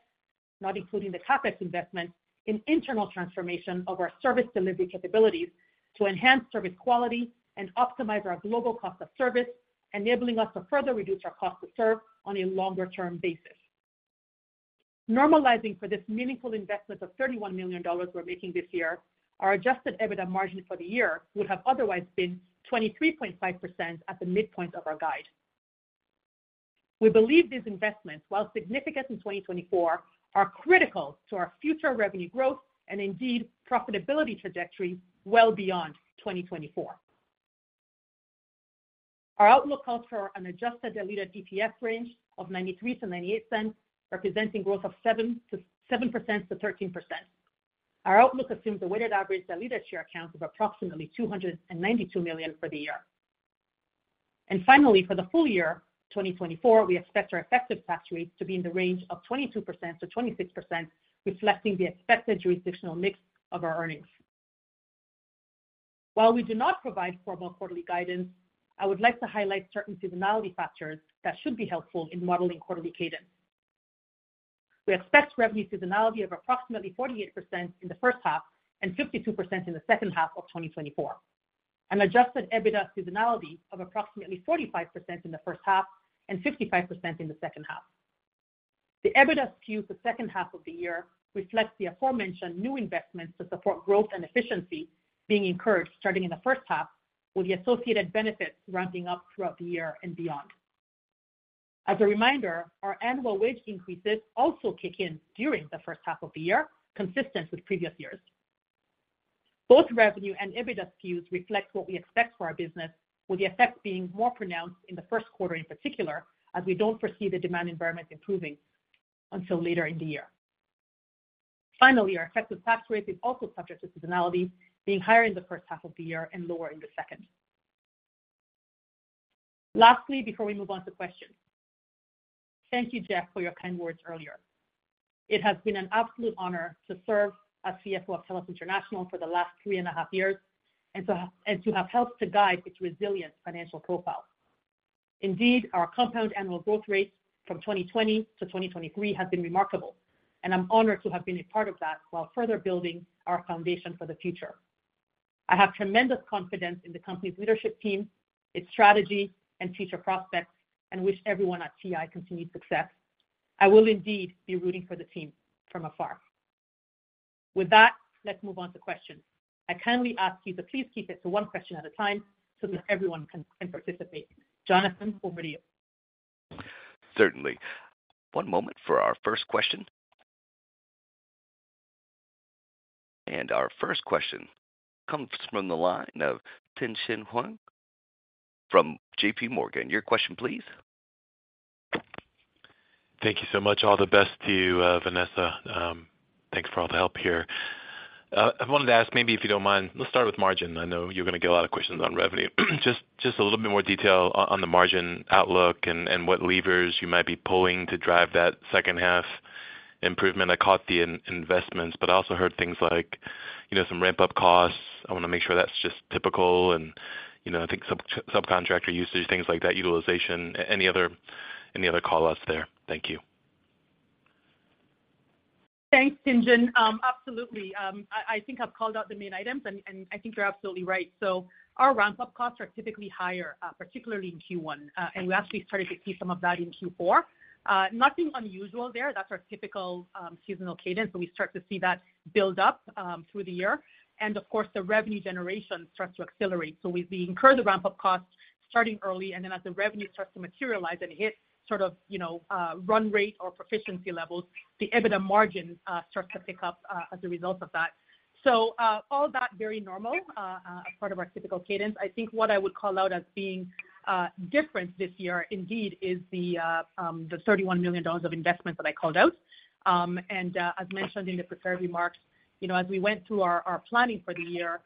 not including the CapEx investment, in internal transformation of our service delivery capabilities to enhance service quality and optimize our global cost of service, enabling us to further reduce our cost to serve on a longer-term basis. Normalizing for this meaningful investment of $31 million we're making this year, our adjusted EBITDA margin for the year would have otherwise been 23.5% at the midpoint of our guide. We believe these investments, while significant in 2024, are critical to our future revenue growth and indeed profitability trajectory well beyond 2024. Our outlook calls for an adjusted diluted EPS range of $0.93-$0.98, representing growth of 7%-13%. Our outlook assumes a weighted average diluted share count of approximately 292 million for the year. Finally, for the full year 2024, we expect our effective tax rate to be in the range of 22%-26%, reflecting the expected jurisdictional mix of our earnings. While we do not provide formal quarterly guidance, I would like to highlight certain seasonality factors that should be helpful in modeling quarterly cadence. We expect revenue seasonality of approximately 48% in the H1 and 52% in the H2 of 2024, and adjusted EBITDA seasonality of approximately 45% in the H1 and 55% in the H2. The EBITDA skew to the H2 of the year reflects the aforementioned new investments to support growth and efficiency being incurred starting in the H1, with the associated benefits ramping up throughout the year and beyond. As a reminder, our annual wage increases also kick in during the H1 of the year, consistent with previous years. Both revenue and EBITDA skews reflect what we expect for our business, with the effect being more pronounced in the Q1 in particular, as we don't foresee the demand environment improving until later in the year. Finally, our effective tax rate is also subject to seasonality, being higher in the H1 of the year and lower in the second. Lastly, before we move on to questions, thank you, Jeff, for your kind words earlier. It has been an absolute honor to serve as CFO of TELUS International for the last 3.5 years, and to have helped to guide its resilient financial profile. Indeed, our compound annual growth rate from 2020 to 2023 has been remarkable, and I'm honored to have been a part of that while further building our foundation for the future. I have tremendous confidence in the company's leadership team, its strategy and future prospects, and wish everyone at TI continued success. I will indeed be rooting for the team from afar. With that, let's move on to questions. I kindly ask you to please keep it to one question at a time so that everyone can participate. Jonathan, over to you. Certainly. One moment for our first question. Our first question comes from the line of Tien-tsin Huang from J.P. Morgan. Your question, please. Thank you so much. All the best to you, Vanessa. Thanks for all the help here. I wanted to ask, maybe, if you don't mind, let's start with margin. I know you're going to get a lot of questions on revenue. Just, just a little bit more detail on, on the margin outlook and, and what levers you might be pulling to drive that H2 improvement. I caught the in-investments, but I also heard things like, you know, some ramp-up costs. I want to make sure that's just typical and, you know, I think sub- subcontractor usage, things like that, utilization. Any other, any other call-outs there? Thank you. Thanks, Tien-tsin. Absolutely. I think I've called out the main items, and I think you're absolutely right. So our ramp-up costs are typically higher, particularly in Q1, and we actually started to see some of that in Q4. Nothing unusual there. That's our typical seasonal cadence, but we start to see that build up through the year. And of course, the revenue generation starts to accelerate. So we incur the ramp-up costs starting early, and then as the revenue starts to materialize and hit sort of, you know, run rate or proficiency levels, the EBITDA margins start to pick up as a result of that. So all that very normal, a part of our typical cadence. I think what I would call out as being different this year, indeed, is the $31 million of investment that I called out. As mentioned in the prepared remarks, you know, as we went through our planning for the year,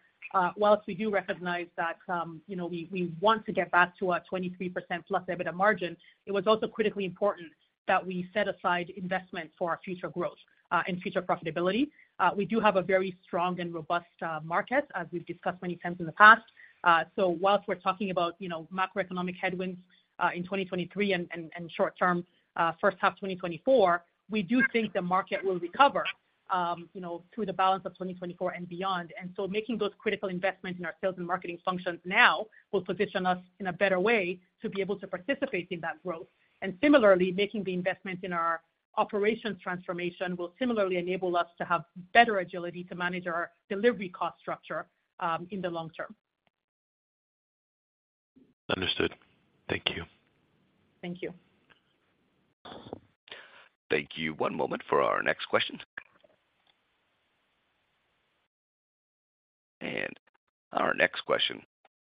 while we do recognize that, you know, we want to get back to a 23%+ EBITDA margin, it was also critically important that we set aside investment for our future growth and future profitability. We do have a very strong and robust market, as we've discussed many times in the past. So while we're talking about, you know, macroeconomic headwinds in 2023 and short term H1 2024, we do think the market will recover. ... you know, through the balance of 2024 and beyond. And so making those critical investments in our sales and marketing functions now will position us in a better way to be able to participate in that growth. And similarly, making the investments in our operations transformation will similarly enable us to have better agility to manage our delivery cost structure, in the long term. Understood. Thank you. Thank you. Thank you. One moment for our next question. Our next question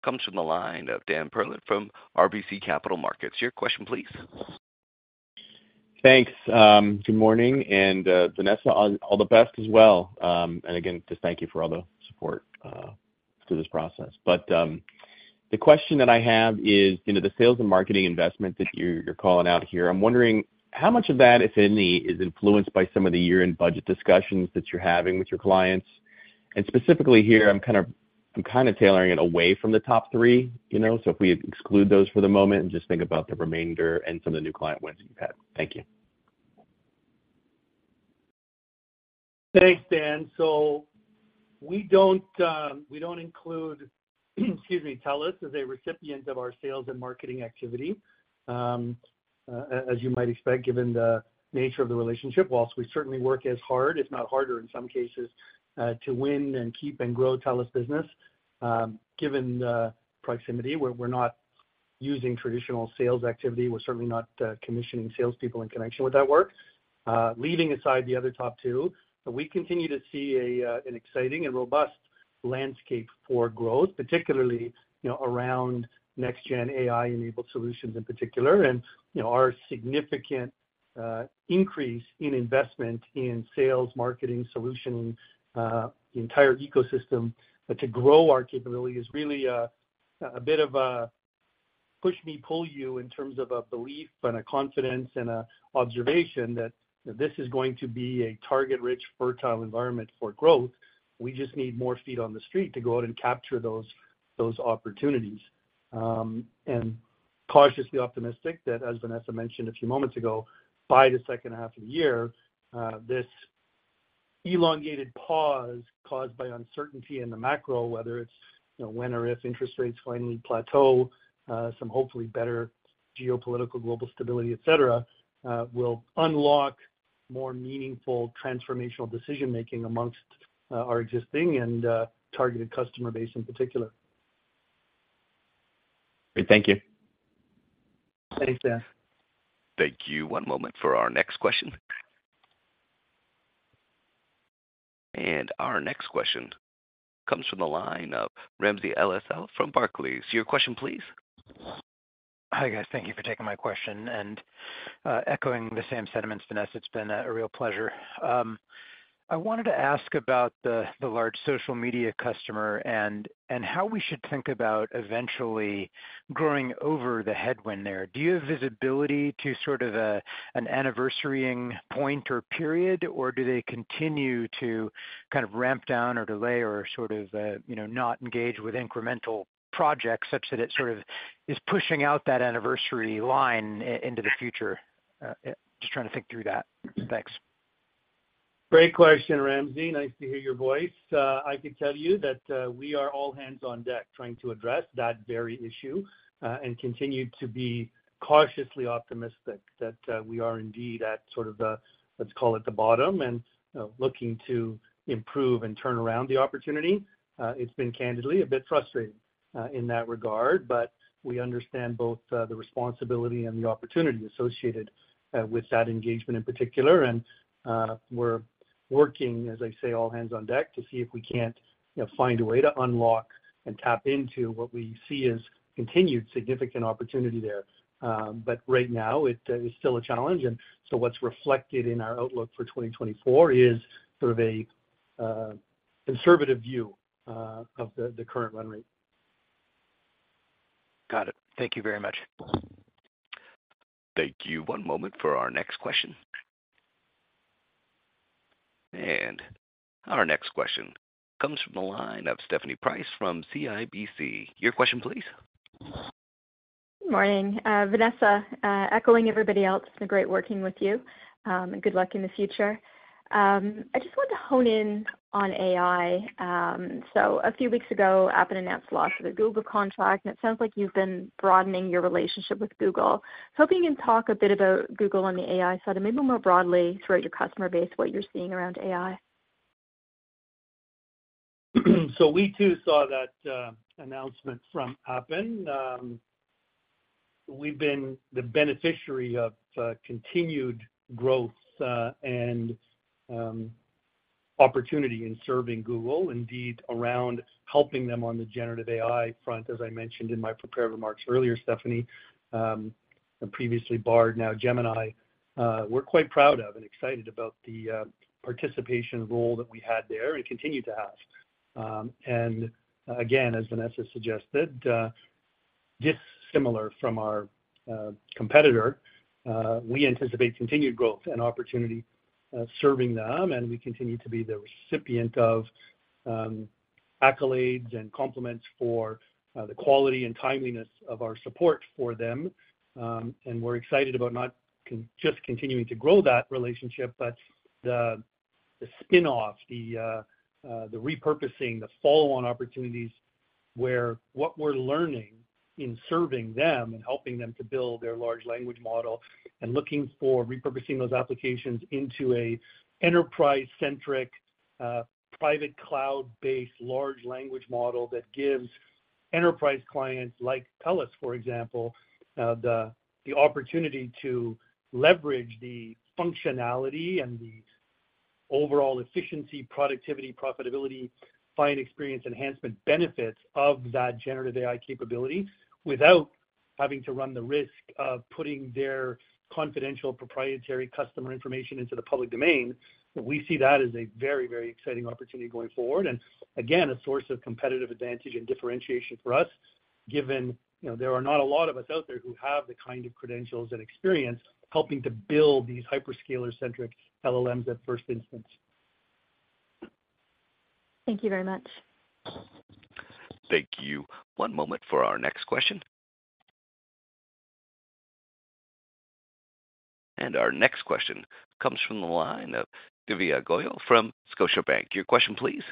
comes from the line of Dan Perlin from RBC Capital Markets. Your question, please. Thanks. Good morning, and, Vanessa, all the best as well. And again, just thank you for all the support through this process. But the question that I have is, you know, the sales and marketing investment that you're calling out here, I'm wondering how much of that, if any, is influenced by some of the year-end budget discussions that you're having with your clients? And specifically here, I'm kind of tailoring it away from the top three, you know. So if we exclude those for the moment and just think about the remainder and some of the new client wins you've had. Thank you. Thanks, Dan. So we don't include TELUS as a recipient of our sales and marketing activity. As you might expect, given the nature of the relationship, while we certainly work as hard, if not harder in some cases, to win and keep and grow TELUS business, given the proximity, we're not using traditional sales activity. We're certainly not commissioning salespeople in connection with that work. Leaving aside the other top two, we continue to see an exciting and robust landscape for growth, particularly, you know, around next gen AI-enabled solutions in particular. And, you know, our significant increase in investment in sales, marketing, solutioning, the entire ecosystem to grow our capability is really a bit of a push me, pull you, in terms of a belief and a confidence and a observation that this is going to be a target-rich, fertile environment for growth. We just need more feet on the street to go out and capture those opportunities. And cautiously optimistic that, as Vanessa mentioned a few moments ago, by the H2 of the year, this elongated pause caused by uncertainty in the macro, whether it's, you know, when or if interest rates finally plateau, some hopefully better geopolitical global stability, et cetera, will unlock more meaningful transformational decision making amongst our existing and targeted customer base in particular. Great. Thank you. Thanks, Dan. Thank you. One moment for our next question. Our next question comes from the line of Ramsey El-Assal from Barclays. Your question, please. Hi, guys. Thank you for taking my question and echoing the same sentiments, Vanessa, it's been a real pleasure. I wanted to ask about the large social media customer and how we should think about eventually growing over the headwind there. Do you have visibility to sort of an anniversaring point or period, or do they continue to kind of ramp down or delay or sort of, you know, not engage with incremental projects such that it sort of is pushing out that anniversary line into the future? Just trying to think through that. Thanks. Great question, Ramsey. Nice to hear your voice. I can tell you that we are all hands on deck trying to address that very issue, and continue to be cautiously optimistic that we are indeed at sort of the, let's call it the bottom, and looking to improve and turn around the opportunity. It's been candidly a bit frustrating in that regard, but we understand both the responsibility and the opportunity associated with that engagement in particular. We're working, as I say, all hands on deck to see if we can't, you know, find a way to unlock and tap into what we see as continued significant opportunity there. Right now it is still a challenge. What's reflected in our outlook for 2024 is sort of a conservative view of the current run rate. Got it. Thank you very much. Thank you. One moment for our next question. Our next question comes from the line of Stephanie Price from CIBC. Your question, please. Good morning. Vanessa, echoing everybody else, it's been great working with you, and good luck in the future. I just want to hone in on AI. So a few weeks ago, Appen announced loss of a Google contract, and it sounds like you've been broadening your relationship with Google. So hoping you can talk a bit about Google on the AI side, and maybe more broadly, throughout your customer base, what you're seeing around AI. So we too saw that announcement from Appen. We've been the beneficiary of continued growth and opportunity in serving Google, indeed around helping them on the generative AI front, as I mentioned in my prepared remarks earlier, Stephanie, previously Bard, now Gemini. We're quite proud of and excited about the participation role that we had there and continue to have. And again, as Vanessa suggested, dissimilar from our competitor, we anticipate continued growth and opportunity serving them, and we continue to be the recipient of accolades and compliments for the quality and timeliness of our support for them. And we're excited about just continuing to grow that relationship, but the spin-off, the repurposing, the follow-on opportunities, where what we're learning in serving them and helping them to build their large language model and looking for repurposing those applications into a enterprise-centric, private cloud-based large language model that gives enterprise clients like TELUS, for example, the opportunity to leverage the functionality and the overall efficiency, productivity, profitability, client experience, enhancement benefits of that generative AI capability without having to run the risk of putting their confidential, proprietary customer information into the public domain. We see that as a very, very exciting opportunity going forward. And again, a source of competitive advantage and differentiation for us, given, you know, there are not a lot of us out there who have the kind of credentials and experience helping to build these hyperscaler-centric LLMs at first instance. Thank you very much. Thank you. One moment for our next question. Our next question comes from the line of Divya Goyal from Scotiabank. Your question, please.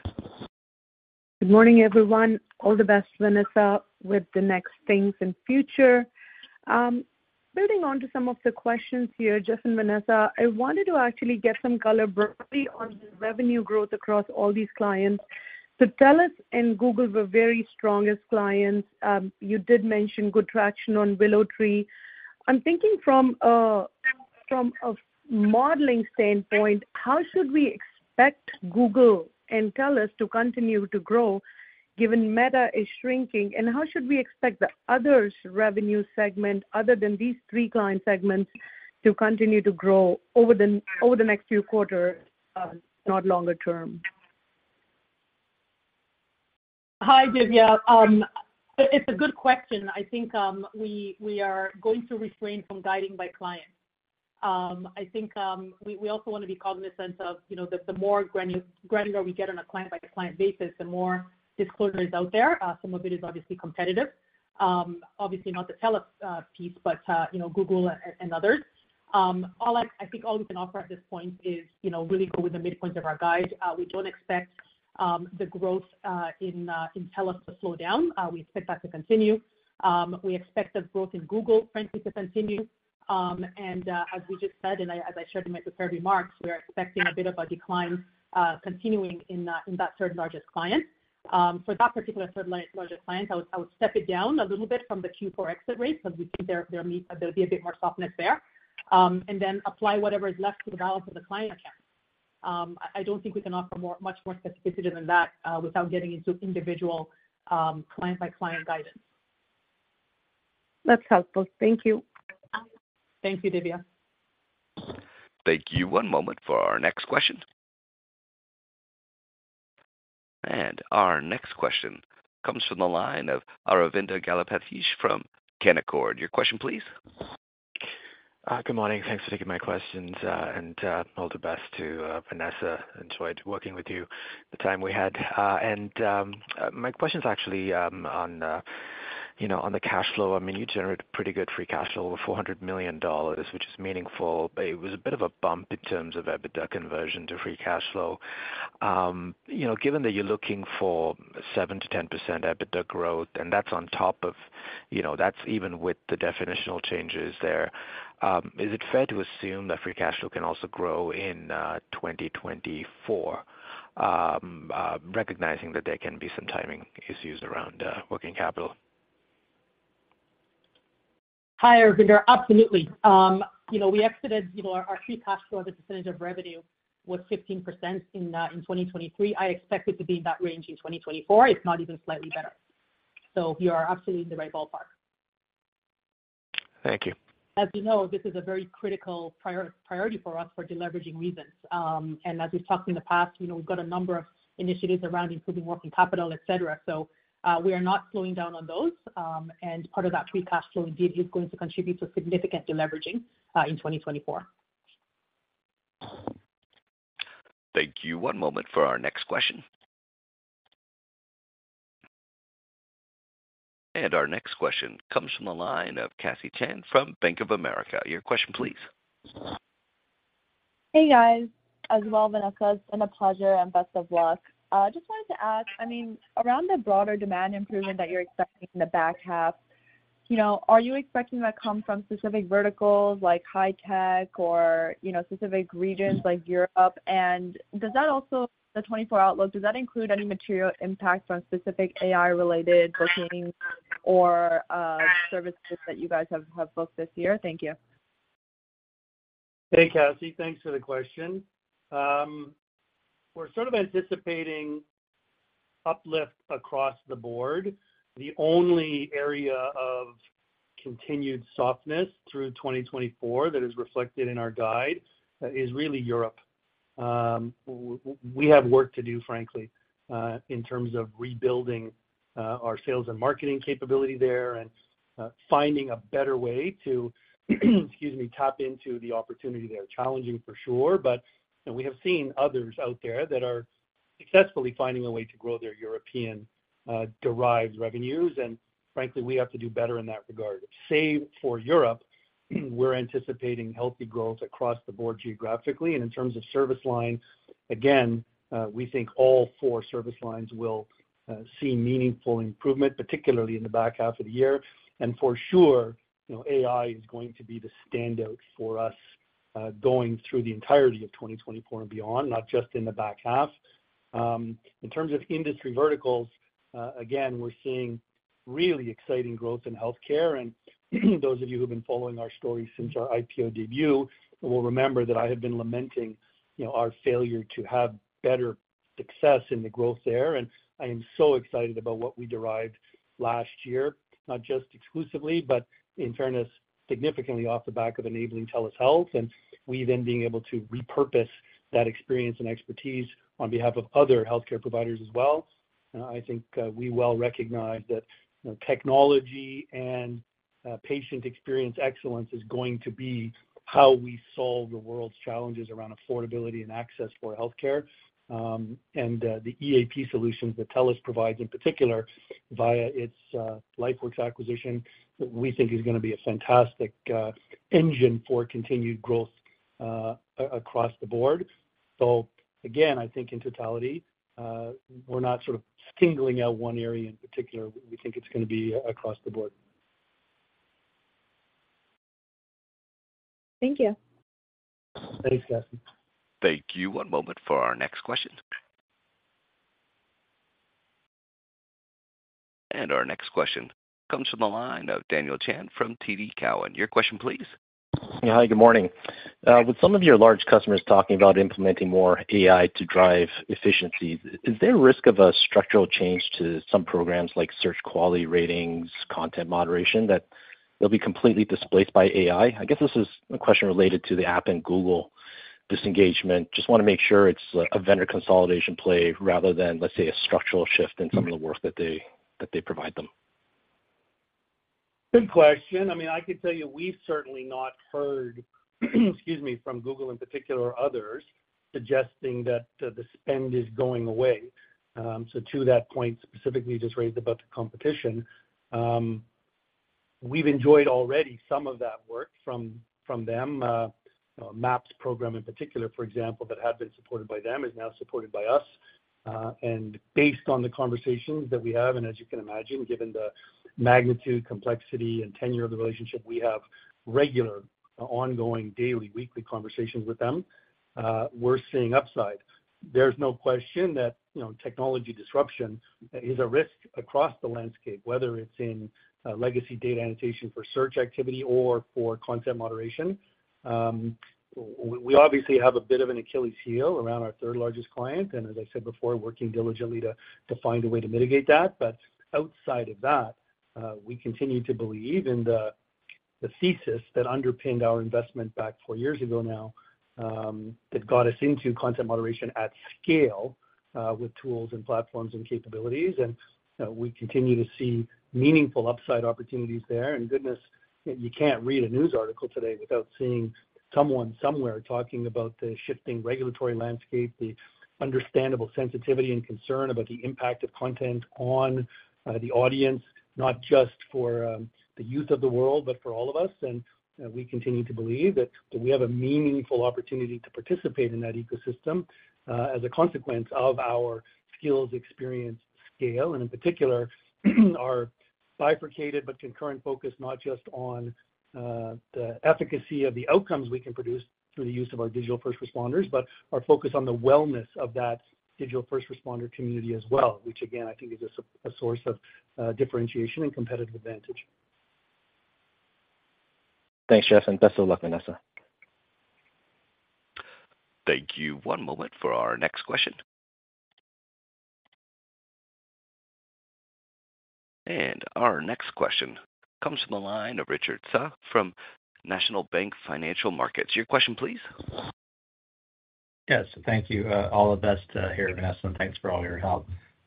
Good morning, everyone. All the best, Vanessa, with the next things in future. Building on to some of the questions here, Jeff and Vanessa, I wanted to actually get some color broadly on the revenue growth across all these clients. So TELUS and Google were very strongest clients. You did mention good traction on WillowTree. I'm thinking from a modeling standpoint, how should we expect Google and TELUS to continue to grow, given Meta is shrinking? And how should we expect the others revenue segment other than these three client segments to continue to grow over the next few quarters, not longer term? Hi, Divya. It's a good question. I think we are going to refrain from guiding by client. I think we also want to be cautious in the sense of, you know, that the more granular we get on a client-by-client basis, the more disclosure is out there. Some of it is obviously competitive. Obviously not the TELUS piece, but you know, Google and others. I think all we can offer at this point is, you know, really go with the midpoints of our guide. We don't expect the growth in TELUS to slow down. We expect that to continue. We expect the growth in Google, frankly, to continue. And, as we just said, and I, as I shared in my prepared remarks, we are expecting a bit of a decline, continuing in that third-largest client. For that particular third-largest client, I would step it down a little bit from the Q4 exit rates, because we see there, there'll be a bit more softness there. And then apply whatever is left to the balance of the client accounts. I don't think we can offer more, much more specificity than that, without getting into individual, client-by-client guidance. That's helpful. Thank you. Thank you, Divya. Thank you. One moment for our next question. Our next question comes from the line of Aravinda Galappatthi from Canaccord. Your question, please. Good morning. Thanks for taking my questions. And all the best to Vanessa. Enjoyed working with you the time we had. And my question is actually on, you know, on the cash flow. I mean, you generate pretty good free cash flow, over $400 million, which is meaningful, but it was a bit of a bump in terms of EBITDA conversion to free cash flow. You know, given that you're looking for 7%-10% EBITDA growth, and that's on top of, you know, that's even with the definitional changes there, is it fair to assume that free cash flow can also grow in 2024? Recognizing that there can be some timing issues around working capital. Hi, Aravinda. Absolutely. You know, we exited, you know, our free cash flow as a percentage of revenue was 15% in 2023. I expect it to be in that range in 2024, if not even slightly better. So you are absolutely in the right ballpark. Thank you. As you know, this is a very critical priority for us for deleveraging reasons. And as we've talked in the past, you know, we've got a number of initiatives around improving working capital, et cetera. So, we are not slowing down on those. And part of that free cash flow indeed is going to contribute to significant deleveraging in 2024. Thank you. One moment for our next question. Our next question comes from the line of Cassie Chan from Bank of America. Your question, please. Hey, guys. As well, Vanessa, it's been a pleasure and best of luck. Just wanted to ask, I mean, around the broader demand improvement that you're expecting in the back half, you know, are you expecting that come from specific verticals like high tech or, you know, specific regions like Europe? And does that also... the 2024 outlook, does that include any material impact from specific AI-related bookings or, services that you guys have booked this year? Thank you. Hey, Cassie. Thanks for the question. We're sort of anticipating uplift across the board. The only area of continued softness through 2024 that is reflected in our guide is really Europe. We have work to do, frankly, in terms of rebuilding our sales and marketing capability there and finding a better way to, excuse me, tap into the opportunity there. Challenging for sure, but, and we have seen others out there that are successfully finding a way to grow their European derived revenues, and frankly, we have to do better in that regard. Save for Europe, we're anticipating healthy growth across the board geographically and in terms of service lines, again, we think all four service lines will see meaningful improvement, particularly in the back half of the year. And for sure, you know, AI is going to be the standout for us, going through the entirety of 2024 and beyond, not just in the back half. In terms of industry verticals, again, we're seeing really exciting growth in healthcare. And those of you who have been following our story since our IPO debut, will remember that I have been lamenting, you know, our failure to have better success in the growth there. And I am so excited about what we derived last year, not just exclusively, but in fairness, significantly off the back of enabling telehealth, and we then being able to repurpose that experience and expertise on behalf of other healthcare providers as well. I think, we well recognize that, you know, technology and, patient experience excellence is going to be how we solve the world's challenges around affordability and access for healthcare. And, the EAP solutions that TELUS provides, in particular via its, LifeWorks acquisition, we think is gonna be a fantastic, engine for continued growth, across the board. So again, I think in totality, we're not sort of singling out one area in particular. We think it's gonna be across the board. Thank you. Thanks, Cassie. Thank you. One moment for our next question. And our next question comes from the line of Daniel Chan from TD Cowen. Your question, please. Hi, good morning. With some of your large customers talking about implementing more AI to drive efficiency, is there a risk of a structural change to some programs like search quality ratings, content moderation, that they'll be completely displaced by AI? I guess this is a question related to the Appen and Google disengagement. Just wanna make sure it's a vendor consolidation play rather than, let's say, a structural shift in some of the work that they provide them. Good question. I mean, I can tell you we've certainly not heard, excuse me, from Google in particular, or others, suggesting that the spend is going away. So to that point, specifically just raised about the competition, we've enjoyed already some of that work from them. Maps program in particular, for example, that had been supported by them, is now supported by us. And based on the conversations that we have, and as you can imagine, given the magnitude, complexity, and tenure of the relationship, we have regular, ongoing, daily, weekly conversations with them, we're seeing upside. There's no question that, you know, technology disruption is a risk across the landscape, whether it's in legacy data annotation for search activity or for content moderation. We obviously have a bit of an Achilles heel around our third-largest client, and as I said before, working diligently to find a way to mitigate that. But outside of that, we continue to believe in the thesis that underpinned our investment back four years ago now, that got us into content moderation at scale, with tools and platforms and capabilities. And we continue to see meaningful upside opportunities there. And goodness, you can't read a news article today without seeing someone, somewhere, talking about the shifting regulatory landscape, the understandable sensitivity and concern about the impact of content on the audience, not just for the youth of the world, but for all of us. We continue to believe that we have a meaningful opportunity to participate in that ecosystem, as a consequence of our skills, experience, scale, and in particular, our bifurcated but concurrent focus, not just on the efficacy of the outcomes we can produce through the use of our digital first responders, but our focus on the wellness of that digital first responder community as well, which again, I think is a source of differentiation and competitive advantage. Thanks, Jeff, and best of luck, Vanessa. Thank you. One moment for our next question. Our next question comes from the line of Richard Tse from National Bank Financial. Your question, please. Yes, thank you. All the best, here, Vanessa, and thanks for all your help.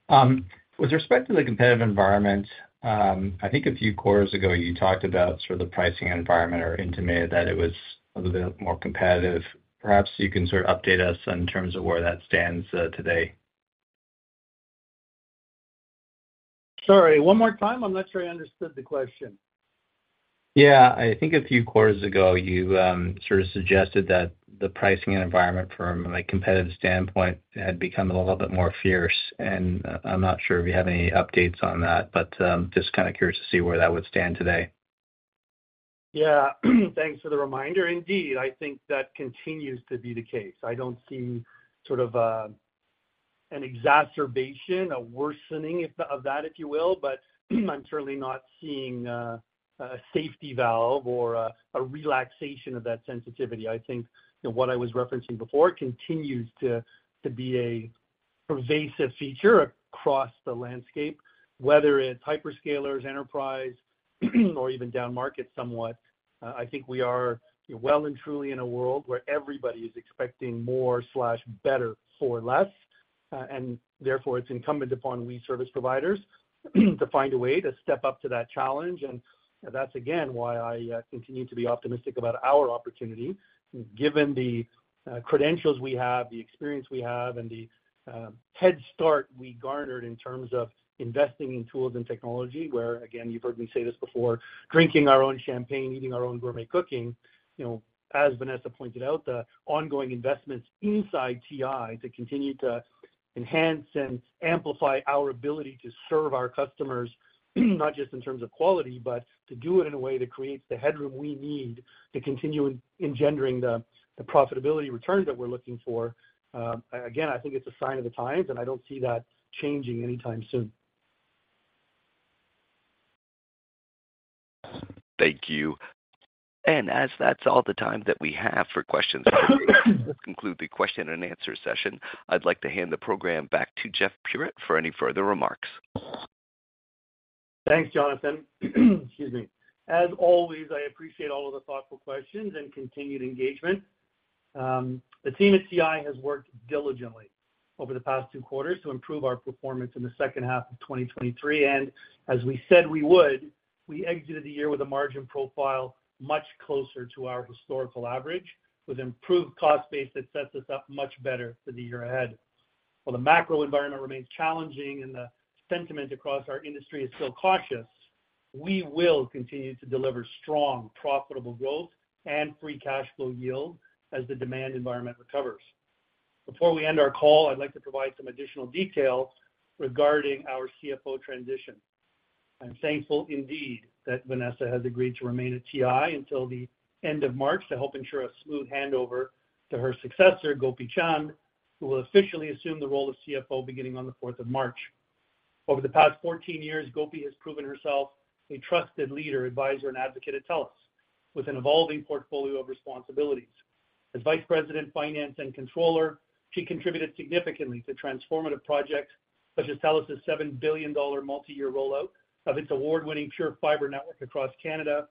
With respect to the competitive environment, I think a few quarters ago you talked about sort of the pricing environment or intimated that it was a little bit more competitive. Perhaps you can sort of update us in terms of where that stands, today. Sorry, one more time? I'm not sure I understood the question. Yeah. I think a few quarters ago you sort of suggested that the pricing environment from a competitive standpoint had become a little bit more fierce, and I'm not sure if you have any updates on that, but just kind of curious to see where that would stand today. Yeah, thanks for the reminder. Indeed, I think that continues to be the case. I don't see sort of an exacerbation, a worsening of that, if you will, but I'm certainly not seeing a safety valve or a relaxation of that sensitivity. I think, you know, what I was referencing before continues to be a pervasive feature across the landscape, whether it's hyperscalers, enterprise or even down market somewhat. I think we are well and truly in a world where everybody is expecting more slash better for less. And therefore, it's incumbent upon we service providers to find a way to step up to that challenge. That's, again, why I continue to be optimistic about our opportunity, given the credentials we have, the experience we have, and the head start we garnered in terms of investing in tools and technology, where, again, you've heard me say this before, drinking our own champagne, eating our own gourmet cooking. You know, as Vanessa pointed out, the ongoing investments inside TI to continue to enhance and amplify our ability to serve our customers, not just in terms of quality, but to do it in a way that creates the headroom we need to continue engendering the profitability returns that we're looking for. Again, I think it's a sign of the times, and I don't see that changing anytime soon. Thank you. And as that's all the time that we have for questions, this concludes the question and answer session. I'd like to hand the program back to Jeff Puritt for any further remarks. Thanks, Jonathan. Excuse me. As always, I appreciate all of the thoughtful questions and continued engagement. The team at TI has worked diligently over the past two quarters to improve our performance in the H2 of 2023. As we said we would, we exited the year with a margin profile much closer to our historical average, with improved cost base that sets us up much better for the year ahead. While the macro environment remains challenging and the sentiment across our industry is still cautious, we will continue to deliver strong, profitable growth and free cash flow yield as the demand environment recovers. Before we end our call, I'd like to provide some additional details regarding our CFO transition. I'm thankful indeed, that Vanessa has agreed to remain at TI until the end of March to help ensure a smooth handover to her successor, Gopi Chande, who will officially assume the role of CFO beginning on the fourth of March. Over the past 14 years, Gopi has proven herself a trusted leader, advisor, and advocate at TELUS, with an evolving portfolio of responsibilities. As Vice President, Finance and Controller, she contributed significantly to transformative projects such as TELUS's $7 billion multi-year rollout of its award-winning PureFibre network across Canada,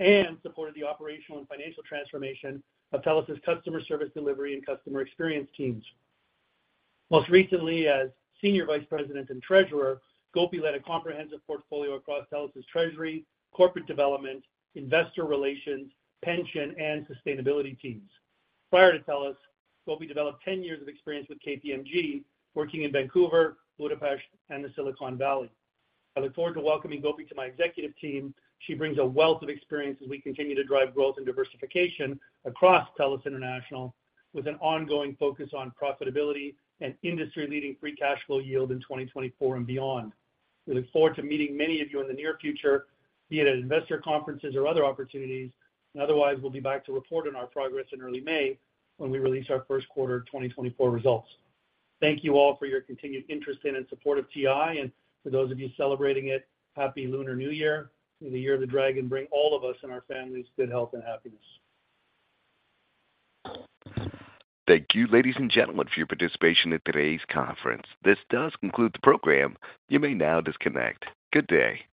and supported the operational and financial transformation of TELUS's customer service delivery and customer experience teams. Most recently, as Senior Vice President and Treasurer, Gopi led a comprehensive portfolio across TELUS's treasury, corporate development, investor relations, pension, and sustainability teams. Prior to TELUS, Gopi developed ten years of experience with KPMG, working in Vancouver, Budapest, and the Silicon Valley. I look forward to welcoming Gopi to my executive team. She brings a wealth of experience as we continue to drive growth and diversification across TELUS International, with an ongoing focus on profitability and industry-leading free cash flow yield in 2024 and beyond. We look forward to meeting many of you in the near future, be it at investor conferences or other opportunities. And otherwise, we'll be back to report on our progress in early May, when we release our Q1 2024 results. Thank you all for your continued interest in and support of TI, and for those of you celebrating it, Happy Lunar New Year. May the Year of the Dragon bring all of us and our families good health and happiness. Thank you, ladies and gentlemen, for your participation in today's conference. This does conclude the program. You may now disconnect. Good day.